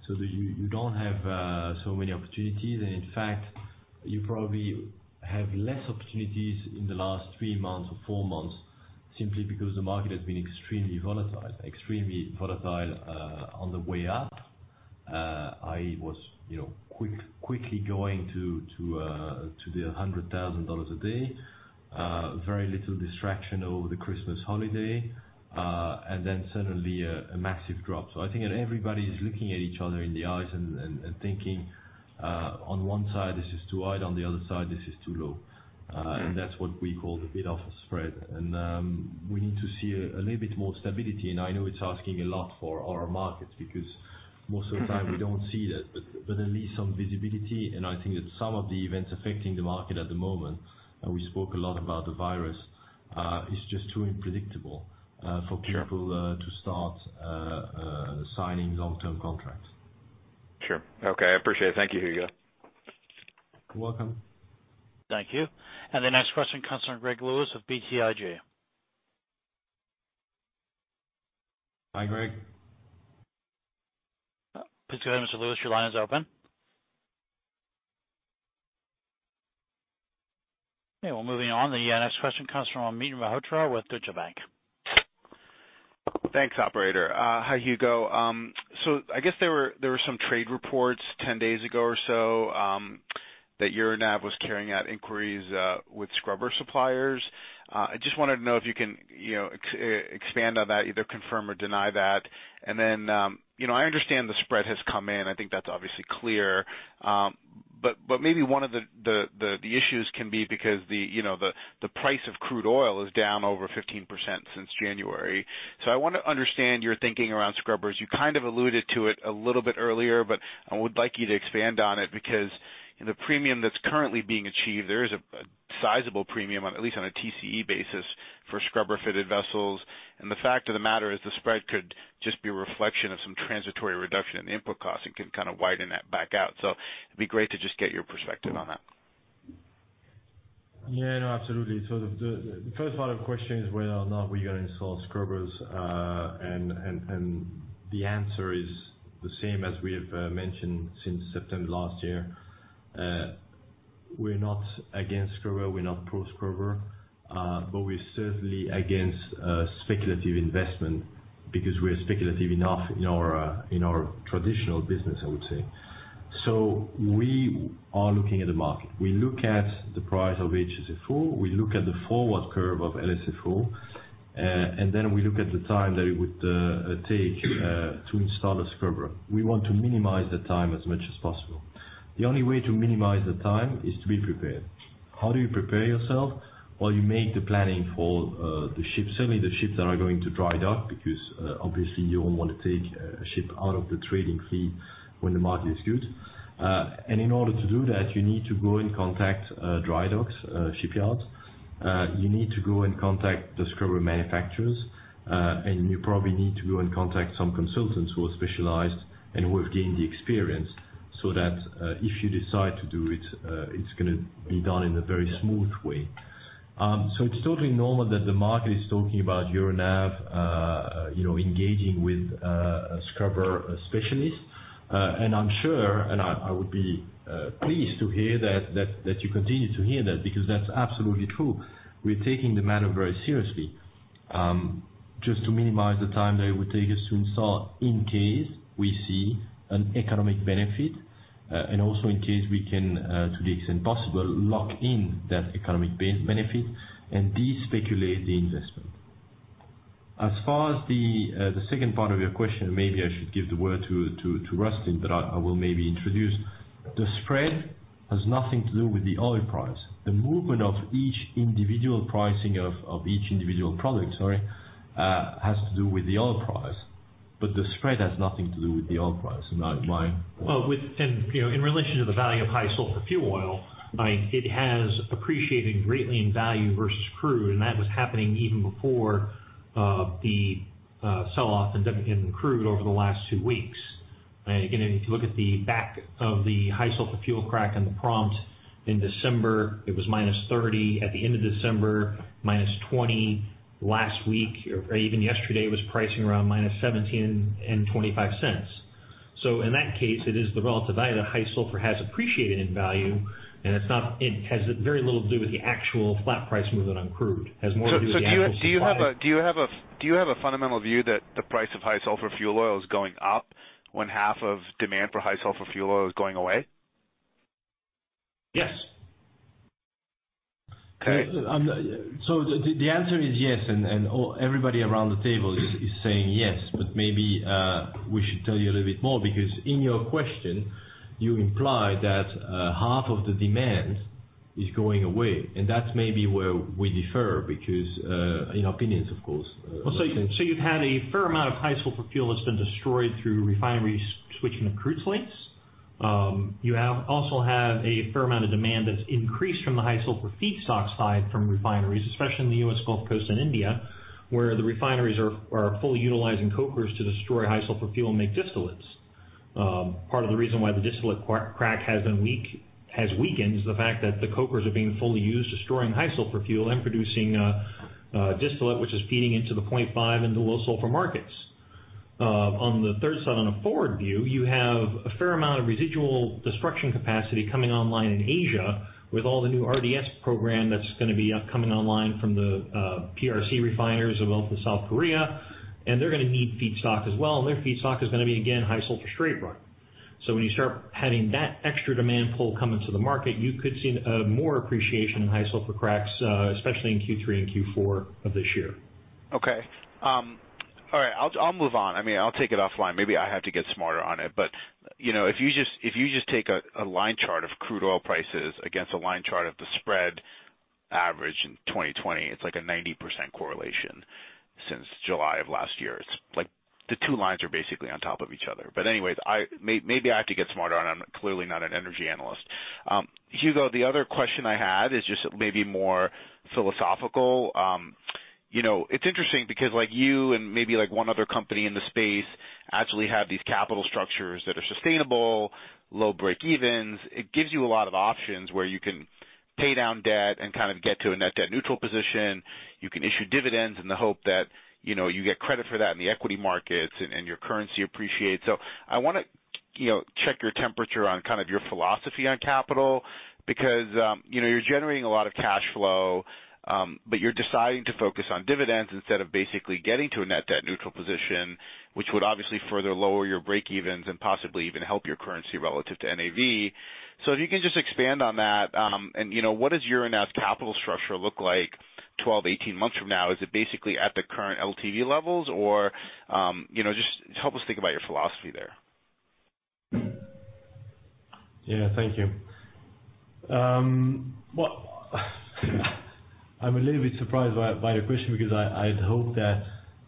so you don't have so many opportunities. In fact, you probably have less opportunities in the last three months or four months, simply because the market has been extremely volatile on the way up. I was quickly going to the $100,000 a day, very little distraction over the Christmas holiday, and then suddenly a massive drop. I think that everybody is looking at each other in the eyes and thinking, on one side, this is too wide, on the other side, this is too low. That's what we call the bid-offer spread. We need to see a little bit more stability. I know it's asking a lot for our markets because most of the time we don't see that. At least some visibility, and I think that some of the events affecting the market at the moment, and we spoke a lot about the virus, is just too unpredictable for people to start signing long-term contracts. Sure. Okay. I appreciate it. Thank you, Hugo. You're welcome. Thank you. The next question comes from Gregory Lewis of BTIG. Hi, Greg. Please go ahead, Mr. Lewis. Your line is open. Okay, we are moving on. The next question comes from Amit Mehrotra with Deutsche Bank. Thanks, operator. Hi, Hugo. I guess there were some trade reports 10 days ago or so that Euronav was carrying out inquiries with scrubber suppliers. I just wanted to know if you can expand on that, either confirm or deny that. I understand the spread has come in. I think that's obviously clear. Maybe one of the issues can be because the price of crude oil is down over 15% since January. I want to understand your thinking around scrubbers. You kind of alluded to it a little bit earlier, I would like you to expand on it because in the premium that's currently being achieved, there is a sizable premium, at least on a TCE basis, for scrubber-fitted vessels. The fact of the matter is, the spread could just be a reflection of some transitory reduction in the input cost. It can kind of widen that back out. It'd be great to just get your perspective on that. Yeah, no, absolutely. The first part of the question is whether or not we are going to install scrubbers. The answer is the same as we have mentioned since September last year. We're not against scrubber, we're not pro scrubber. We're certainly against speculative investment because we are speculative enough in our traditional business, I would say. We are looking at the market. We look at the price of HSFO, we look at the forward curve of LSFO, and then we look at the time that it would take to install a scrubber. We want to minimize the time as much as possible. The only way to minimize the time is to be prepared. How do you prepare yourself? You make the planning for the ships, certainly the ships that are going to dry dock, because obviously you don't want to take a ship out of the trading fleet when the market is good. In order to do that, you need to go and contact dry docks and shipyards. You need to go and contact the scrubber manufacturers, and you probably need to go and contact some consultants who are specialized and who have gained the experience, so that if you decide to do it's going to be done in a very smooth way. It's totally normal that the market is talking about Euronav engaging with scrubber specialists. I'm sure, and I would be pleased to hear that you continue to hear that, because that's absolutely true. We're taking the matter very seriously. Just to minimize the time that it would take us to install in case we see an economic benefit, and also in case we can, to the extent possible, lock in that economic benefit and de-speculate the investment. As far as the second part of your question, maybe I should give the word to Rustin, but I will maybe introduce. The spread has nothing to do with the oil price. The movement of each individual pricing of each individual product, sorry, has to do with the oil price, but the spread has nothing to do with the oil price. Am I. In relation to the value of High-Sulphur Fuel Oil, it has appreciated greatly in value versus crude, and that was happening even before the sell-off in crude over the last two weeks. If you look at the back of the High-Sulphur Fuel crack in the prompt in December, it was $ -30 at the end of December, $ -20 last week, or even yesterday was pricing around $ -17.25. In that case, it is the relative value that High-Sulphur has appreciated in value, and it has very little to do with the actual flat price movement on crude, has more to do with the actual supply. Do you have a fundamental view that the price of High-Sulphur Fuel Oil is going up when half of the demand for High-Sulphur Fuel Oil is going away? Yes. Okay. The answer is yes, and everybody around the table is saying yes. Maybe we should tell you a little bit more, because in your question, you implied that half of the demand is going away. That's maybe where we differ, because in opinions, of course. You've had a fair amount of high-sulfur fuel that's been destroyed through refineries switching to crude slates. You also have a fair amount of demand that's increased from the high sulfur feedstock side from refineries, especially in the U.S. Gulf Coast and India, where the refineries are fully utilizing cokers to destroy high sulfur fuel and make distillates. Part of the reason why the distillate crack has weakened is the fact that the cokers are being fully used, destroying high-sulfur fuel and producing distillate, which is feeding into the 0.5% and the low-sulfur markets. On the third side, on a forward view, you have a fair amount of residual destruction capacity coming online in Asia with all the new RDS programs that's going to be upcoming online from the PRC refiners as well from South Korea, and they're going to need feedstock as well. Their feedstock is going to be, again, high-sulfur straight run. When you start having that extra demand pull coming to the market, you could see more appreciation in high sulfur cracks, especially in Q3 and Q4 of this year. Okay. All right, I'll move on. I'll take it offline. Maybe I have to get smarter on it, but if you just take a line chart of crude oil prices against a line chart of the spread average in 2020, it's like a 90% correlation since July of last year. It's like the two lines are basically on top of each other. Anyways, maybe I have to get smarter, and I'm clearly not an energy analyst. Hugo, the other question I had is just maybe more philosophical. It's interesting because you and maybe one other company in the space actually have these capital structures that are sustainable, low break-evens. It gives you a lot of options where you can pay down debt and kind of get to a net debt-neutral position. You can issue dividends in the hope that you get credit for that in the equity markets and your currency appreciates. I want to check your temperature on your philosophy on capital, because you're generating a lot of cash flow, but you're deciding to focus on dividends instead of basically getting to a net debt-neutral position, which would obviously further lower your break-evens and possibly even help your currency relative to NAV. If you can just expand on that. What does Euronav's capital structure look like 12-18 months from now? Is it basically at the current LTV levels, or just help us think about your philosophy there? Yeah, thank you. Well, I'm a little bit surprised by your question because I'd hope that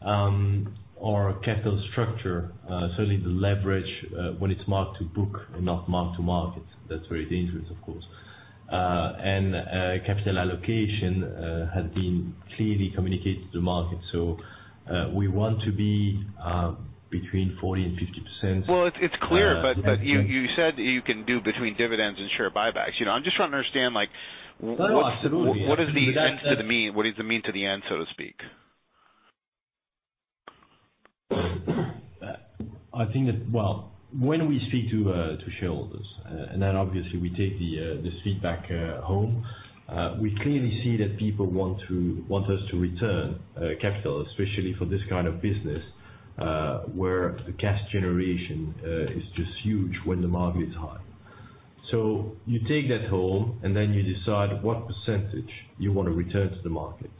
our capital structure, certainly the leverage, when it's marked to book and not marked to market, that's very dangerous, of course. Capital allocation has been clearly communicated to the market. We want to be between 40% and 50%. Well, it's clear, but you said that you can do between dividends and share buybacks. I'm just trying to understand. No, absolutely, yeah. What is the means to the mean? What is the meaning to the end, so to speak? I think that, well, when we speak to shareholders, and then obviously we take this feedback home, we clearly see that people want us to return capital, especially for this kind of business, where the cash generation is just huge when the market is high. You take that home, and then you decide what percentage you want to return to the market.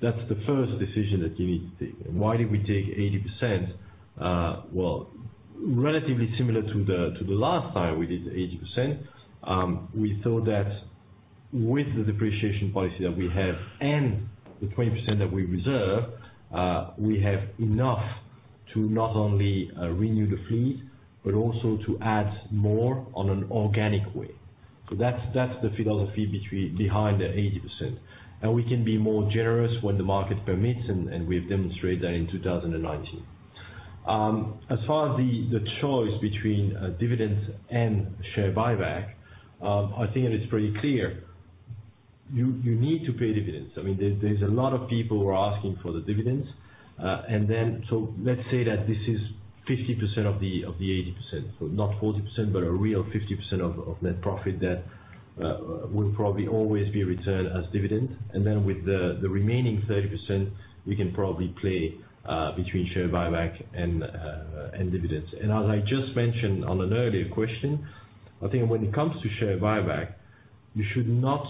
That's the first decision that you need to take. Why did we take 80%? Well, relatively similar to the last time we did the 80%, we thought that with the depreciation policy that we have and the 20% that we reserve, we have enough to not only renew the fleet, but also to add more on an organic way. That's the philosophy behind the 80%. We can be more generous when the market permits, and we have demonstrated that in 2019. As far as the choice between dividends and share buyback, I think, and it's pretty clear, you need to pay dividends. There's a lot of people who are asking for the dividends. Let's say that this is 50% of the 80%, so not 40%, but a real 50% of net profit that will probably always be returned as dividends. With the remaining 30%, we can probably play between share buyback and dividends. As I just mentioned on an earlier question, I think when it comes to share buyback, you should not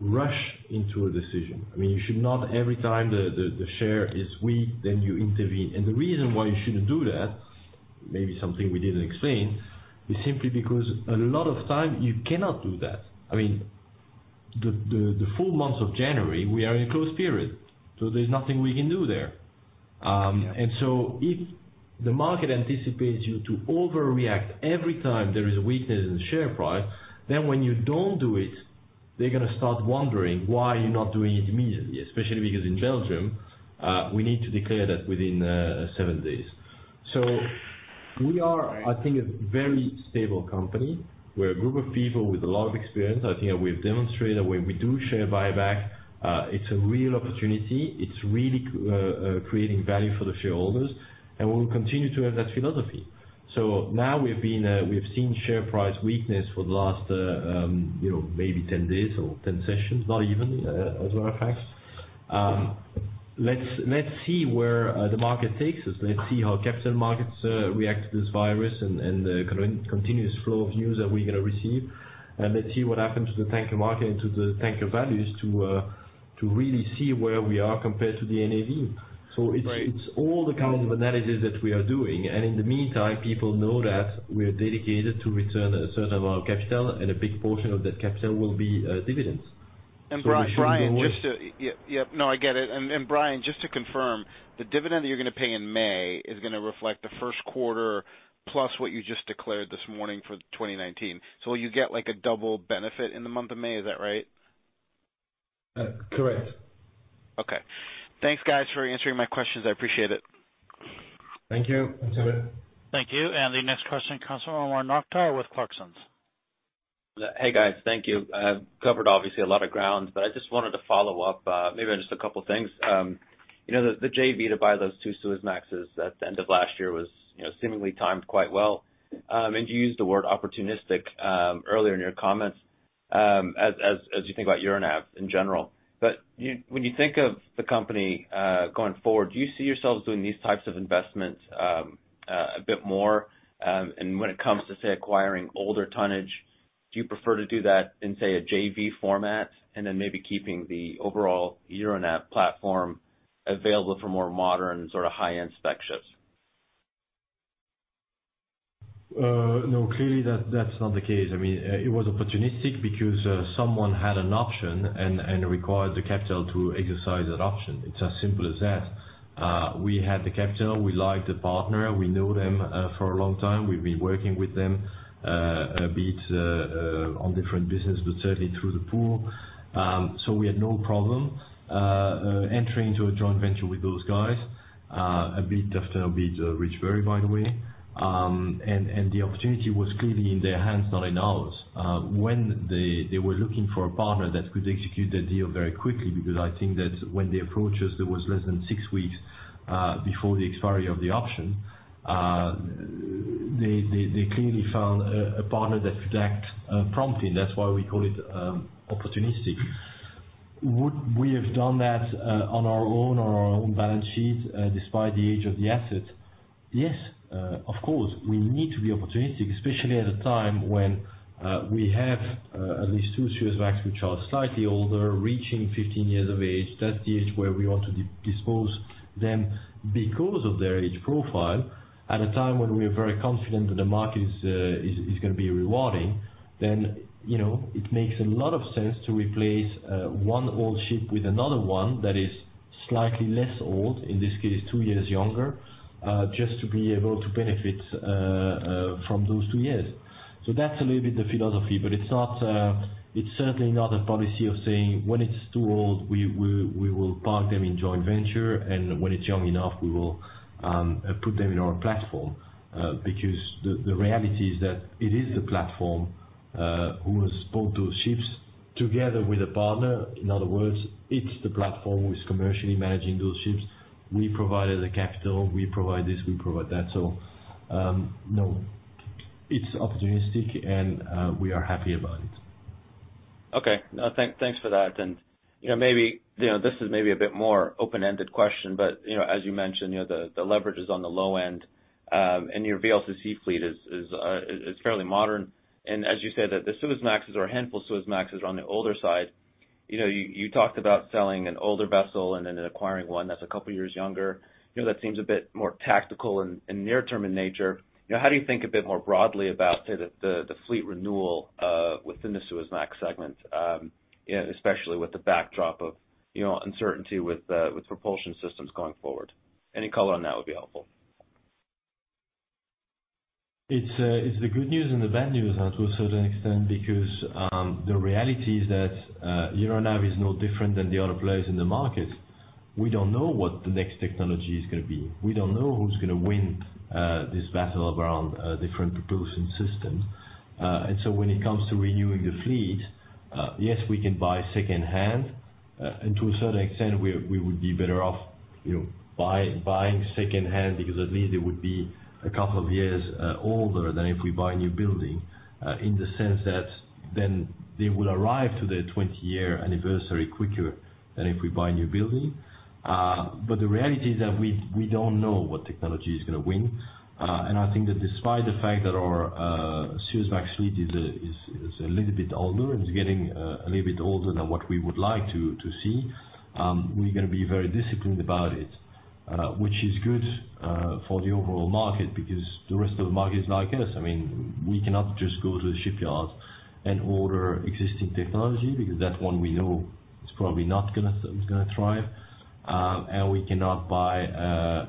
rush into a decision. You should not every time the share is weak, then you intervene. The reason why you shouldn't do that, maybe something we didn't explain, is simply because a lot of the time, you cannot do that. I mean, the full month of January, we are in a closed period, so there's nothing we can do there. Yeah. If the market anticipates you to overreact every time there is a weakness in the share price, then when you don't do it, they're going to start wondering why you're not doing it immediately. Especially because in Belgium, we need to declare that within seven days. We are, I think, a very stable company. We're a group of people with a lot of experience. I think we have demonstrated when we do a share buyback, it's a real opportunity. It's really creating value for the shareholders, and we will continue to have that philosophy. Now we've seen share price weakness for the last maybe 10 days or 10 sessions, not even, as a matter of fact. Let's see where the market takes us. Let's see how capital markets react to this virus and the continuous flow of news that we're going to receive. Let's see what happens to the tanker market and to the tanker values to really see where we are compared to the NAV. Right. It's all the kind of analysis that we are doing, and in the meantime, people know that we are dedicated to returning a certain amount of capital, and a big portion of that capital will be dividends. Brian, We should always. Yeah. No, I get it. Brian, just to confirm, the dividend that you're going to pay in May is going to reflect the first quarter plus what you just declared this morning for 2019. Will you get a double benefit in the month of May? Is that right? Correct. Okay. Thanks, guys, for answering my questions. I appreciate it. Thank you. Until then. Thank you. The next question comes from Omar Nokta with Clarksons. Hey, guys. Thank you. Covered obviously a lot of ground, but I just wanted to follow up, maybe on just a couple of things. The JV to buy those two Suezmaxes at the end of last year was seemingly timed quite well. You used the word opportunistic, earlier in your comments, as you think about Euronav in general. When you think of the company, going forward, do you see yourselves doing these types of investments a bit more? When it comes to, say, acquiring older tonnage, do you prefer to do that in, say, a JV format, and then maybe keeping the overall Euronav platform available for more modern sort of high-end spec ships? No, clearly that's not the case. It was opportunistic because someone had an option and required the capital to exercise that option. It's as simple as that. We had the capital. We liked the partner. We knew them for a long time. We've been working with them a bit on different businesses, but certainly through the pool. We had no problem entering into a joint venture with those guys, a bit after Ridgebury, by the way. The opportunity was clearly in their hands, not in ours. When they were looking for a partner that could execute the deal very quickly, because I think that when they approached us, there was less than six weeks before the expiry of the option. They clearly found a partner that could act promptly. That's why we call it opportunistic. Would we have done that on our own or on our own balance sheet, despite the age of the assets? Yes, of course. We need to be opportunistic, especially at a time when we have at least two Suezmax, which are slightly older, reaching 15 years of age. That's the age where we want to dispose them because of their age profile. At a time when we are very confident that the market is going to be rewarding, then it makes a lot of sense to replace one old ship with another one that is slightly less old, in this case, two years younger, just to be able to benefit from those two years. That's a little bit of the philosophy, but it's certainly not a policy of saying, when it's too old, we will park them in a joint venture, and when it's young enough, we will put them in our platform. The reality is that it is the platform that has bought those ships together with a partner. In other words, it's the platform that is commercially managing those ships. We provide the capital, we provide this, we provide that. No, it's opportunistic, and we are happy about it. Okay. Thanks for that. This is maybe a bit more open-ended question, but as you mentioned, the leverage is on the low end, and your VLCC fleet is fairly modern. As you said, the Suezmaxes or a handful of Suezmaxes are on the older side. You talked about selling an older vessel and then acquiring one that's a couple of years younger. That seems a bit more tactical and near-term in nature. How do you think a bit more broadly about, say, the fleet renewal, within the Suezmax segment, especially with the backdrop of uncertainty with propulsion systems going forward? Any color on that would be helpful. It's the good news and the bad news to a certain extent because the reality is that Euronav is no different than the other players in the market. We don't know what the next technology is going to be. We don't know who's going to win this battle around different propulsion systems. When it comes to renewing the fleet, yes, we can buy second-hand, and to a certain extent, we would be better off buying second-hand because at least it would be a couple of years older than if we buy a new building, in the sense that then they will arrive to their 20-year anniversary quicker than if we buy a new building. The reality is that we don't know what technology is going to win. I think that despite the fact that our Suezmax fleet is a little bit older, and it's getting a little bit older than what we would like to see, we are going to be very disciplined about it, which is good for the overall market because the rest of the market is like us. We cannot just go to the shipyards and order existing technology because that one we know is probably not going to thrive. We cannot buy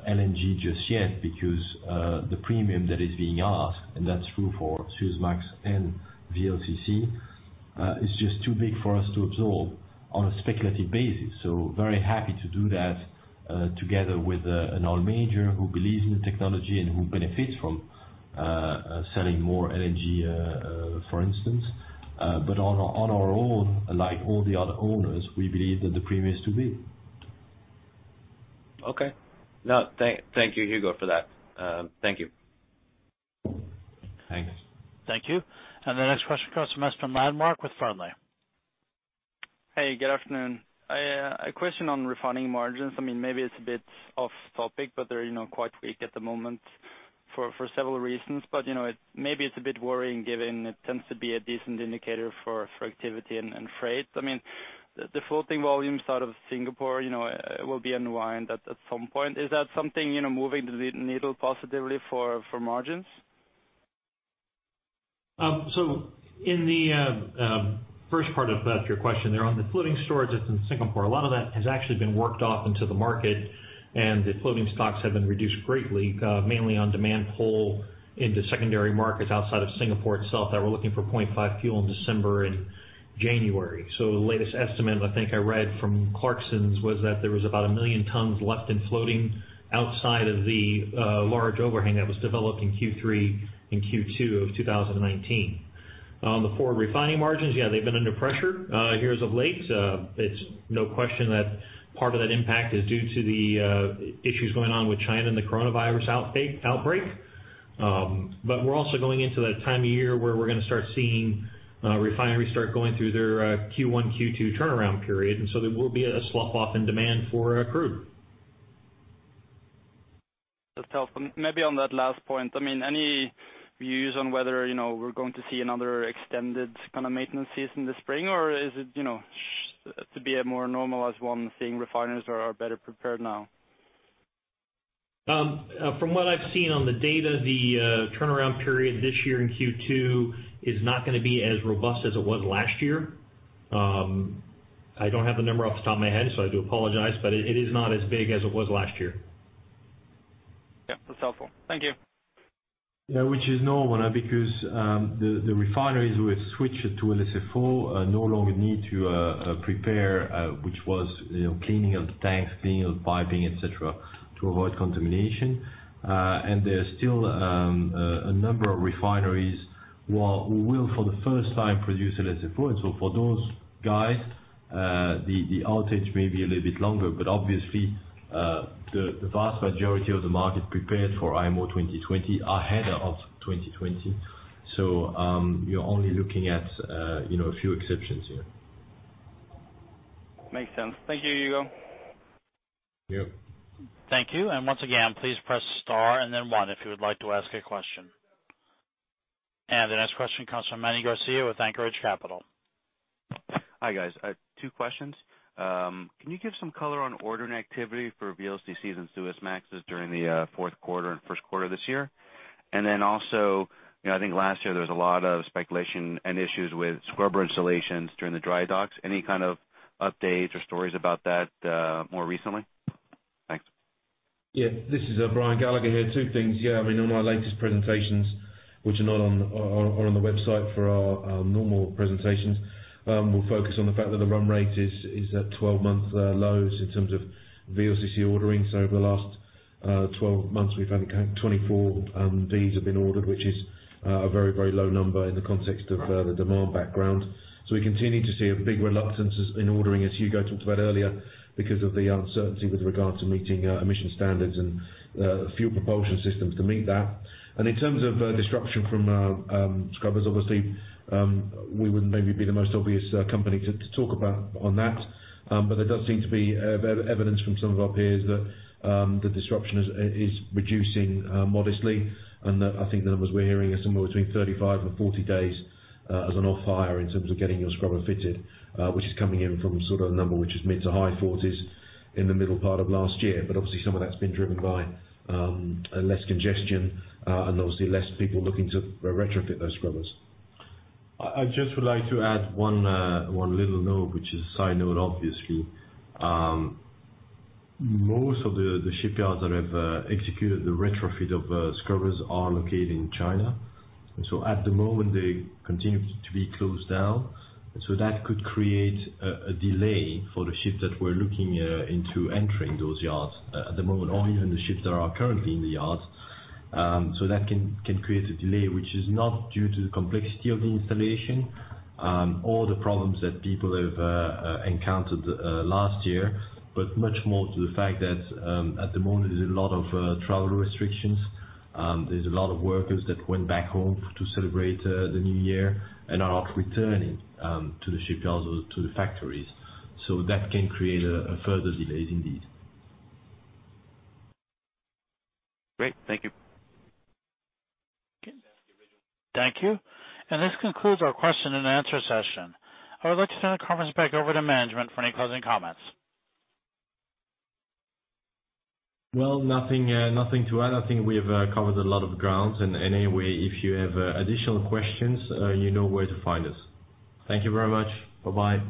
LNG just yet because the premium that is being asked, and that's true for Suezmax and VLCC, is just too big for us to absorb on a speculative basis. Very happy to do that together with an oil major who believes in the technology and who benefits from selling more LNG, for instance. On our own, like all the other owners, we believe that the premium is too big. Okay. Thank you, Hugo, for that. Thank you. Thanks. Thank you. The next question comes from Espen Landmark with Fearnley. Hey, good afternoon. A question on refining margins. Maybe it's a bit off-topic, but they're quite weak at the moment for several reasons. Maybe it's a bit worrying given it tends to be a decent indicator for activity and freight. The floating volumes out of Singapore will be unwound at some point. Is that something moving the needle positively for margins? In the first part of your question, there on the floating storage that's in Singapore, a lot of that has actually been worked off into the market, and the floating stocks have been reduced greatly, mainly on demand pull into secondary markets outside of Singapore itself that were looking for 0.5% fuel in December and January. On the latest estimate, I think I read from Clarksons, was that there was about 1 million tons left in floating outside of the large overhang that was developed in Q3 and Q2 of 2019. On the forward refining margins, yeah, they've been under pressure here as of late. It's no question that part of that impact is due to the issues going on with China and the coronavirus outbreak. We're also going into that time of year where we're going to start seeing refineries start going through their Q1, Q2 turnaround period, and so there will be a slough off in demand for crude. That's helpful. Maybe on that last point, any views on whether we're going to see another extended maintenance season this spring, or is it to be a more normalized one, seeing refiners are better prepared now? From what I've seen on the data, the turnaround period this year in Q2 is not going to be as robust as it was last year. I don't have the number off the top of my head, so I do apologize, but it is not as big as it was last year. Yeah, that's helpful. Thank you. Yeah, which is normal because the refineries that have switched to LSFO no longer need to prepare, which was cleaning of the tanks, cleaning of piping, et cetera, to avoid contamination. There's still a number of refineries that will, for the first time, produce LSFO. For those guys, the outage may be a little bit longer. Obviously, the vast majority of the market prepared for IMO 2020 ahead of 2020. You're only looking at a few exceptions here. Makes sense. Thank you, Hugo. Yep. Thank you. Once again, please press star and then one if you would like to ask a question. The next question comes from Manny Garcia with Anchorage Capital. Hi, guys. Two questions. Can you give some color on ordering activity for VLCCs and Suezmaxes during the fourth quarter and first quarter of this year? Also, I think last year there was a lot of speculation and issues with scrubber installations during the dry docks. Any kind of updates or stories about that more recently? Thanks. Yeah. This is Brian Gallagher here. Two things. Yeah. On our latest presentations, which are on the website for our normal presentations, we'll focus on the fact that the run rate is at 12-month lows in terms of VLCC ordering. Over the last 12 months, we've had 24 of these have been ordered, which is a very low number in the context of the demand background. We continue to see a big reluctance in ordering, as Hugo talked about earlier, because of the uncertainty with regard to meeting emission standards and fuel propulsion systems to meet that. In terms of disruption from scrubbers, obviously, we wouldn't maybe be the most obvious company to talk about on that. There does seem to be evidence from some of our peers that the disruption is reducing modestly, and that I think the numbers we're hearing are somewhere between 35 and 40 days as an off-hire in terms of getting your scrubber fitted, which is coming in from sort of a number which is mid to high 40s in the middle part of last year. Obviously, some of that's been driven by less congestion, and obviously less people looking to retrofit those scrubbers. I just would like to add one little note, which is a side note, obviously. Most of the shipyards that have executed the retrofit of scrubbers are located in China. At the moment, they continue to be closed down. That could create a delay for the ships that we're looking into entering those yards at the moment, or even the ships that are currently in the yards. That can create a delay, which is not due to the complexity of the installation, or the problems that people have encountered last year, but much more to the fact that at the moment, there's a lot of travel restrictions. There's a lot of workers that went back home to celebrate the new year and are not returning to the shipyards or to the factories. That can create a further delay indeed. Great. Thank you. Okay. Thank you. This concludes our question-and-answer session. I would like to turn the conference back over to management for any closing coMments. Well, nothing to add. I think we have covered a lot of ground. Anyway, if you have additional questions, you know where to find us. Thank you very much. Bye-bye.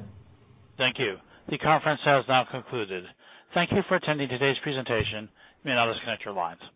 Thank you. The conference has now concluded. Thank you for attending today's presentation. You may now disconnect your lines.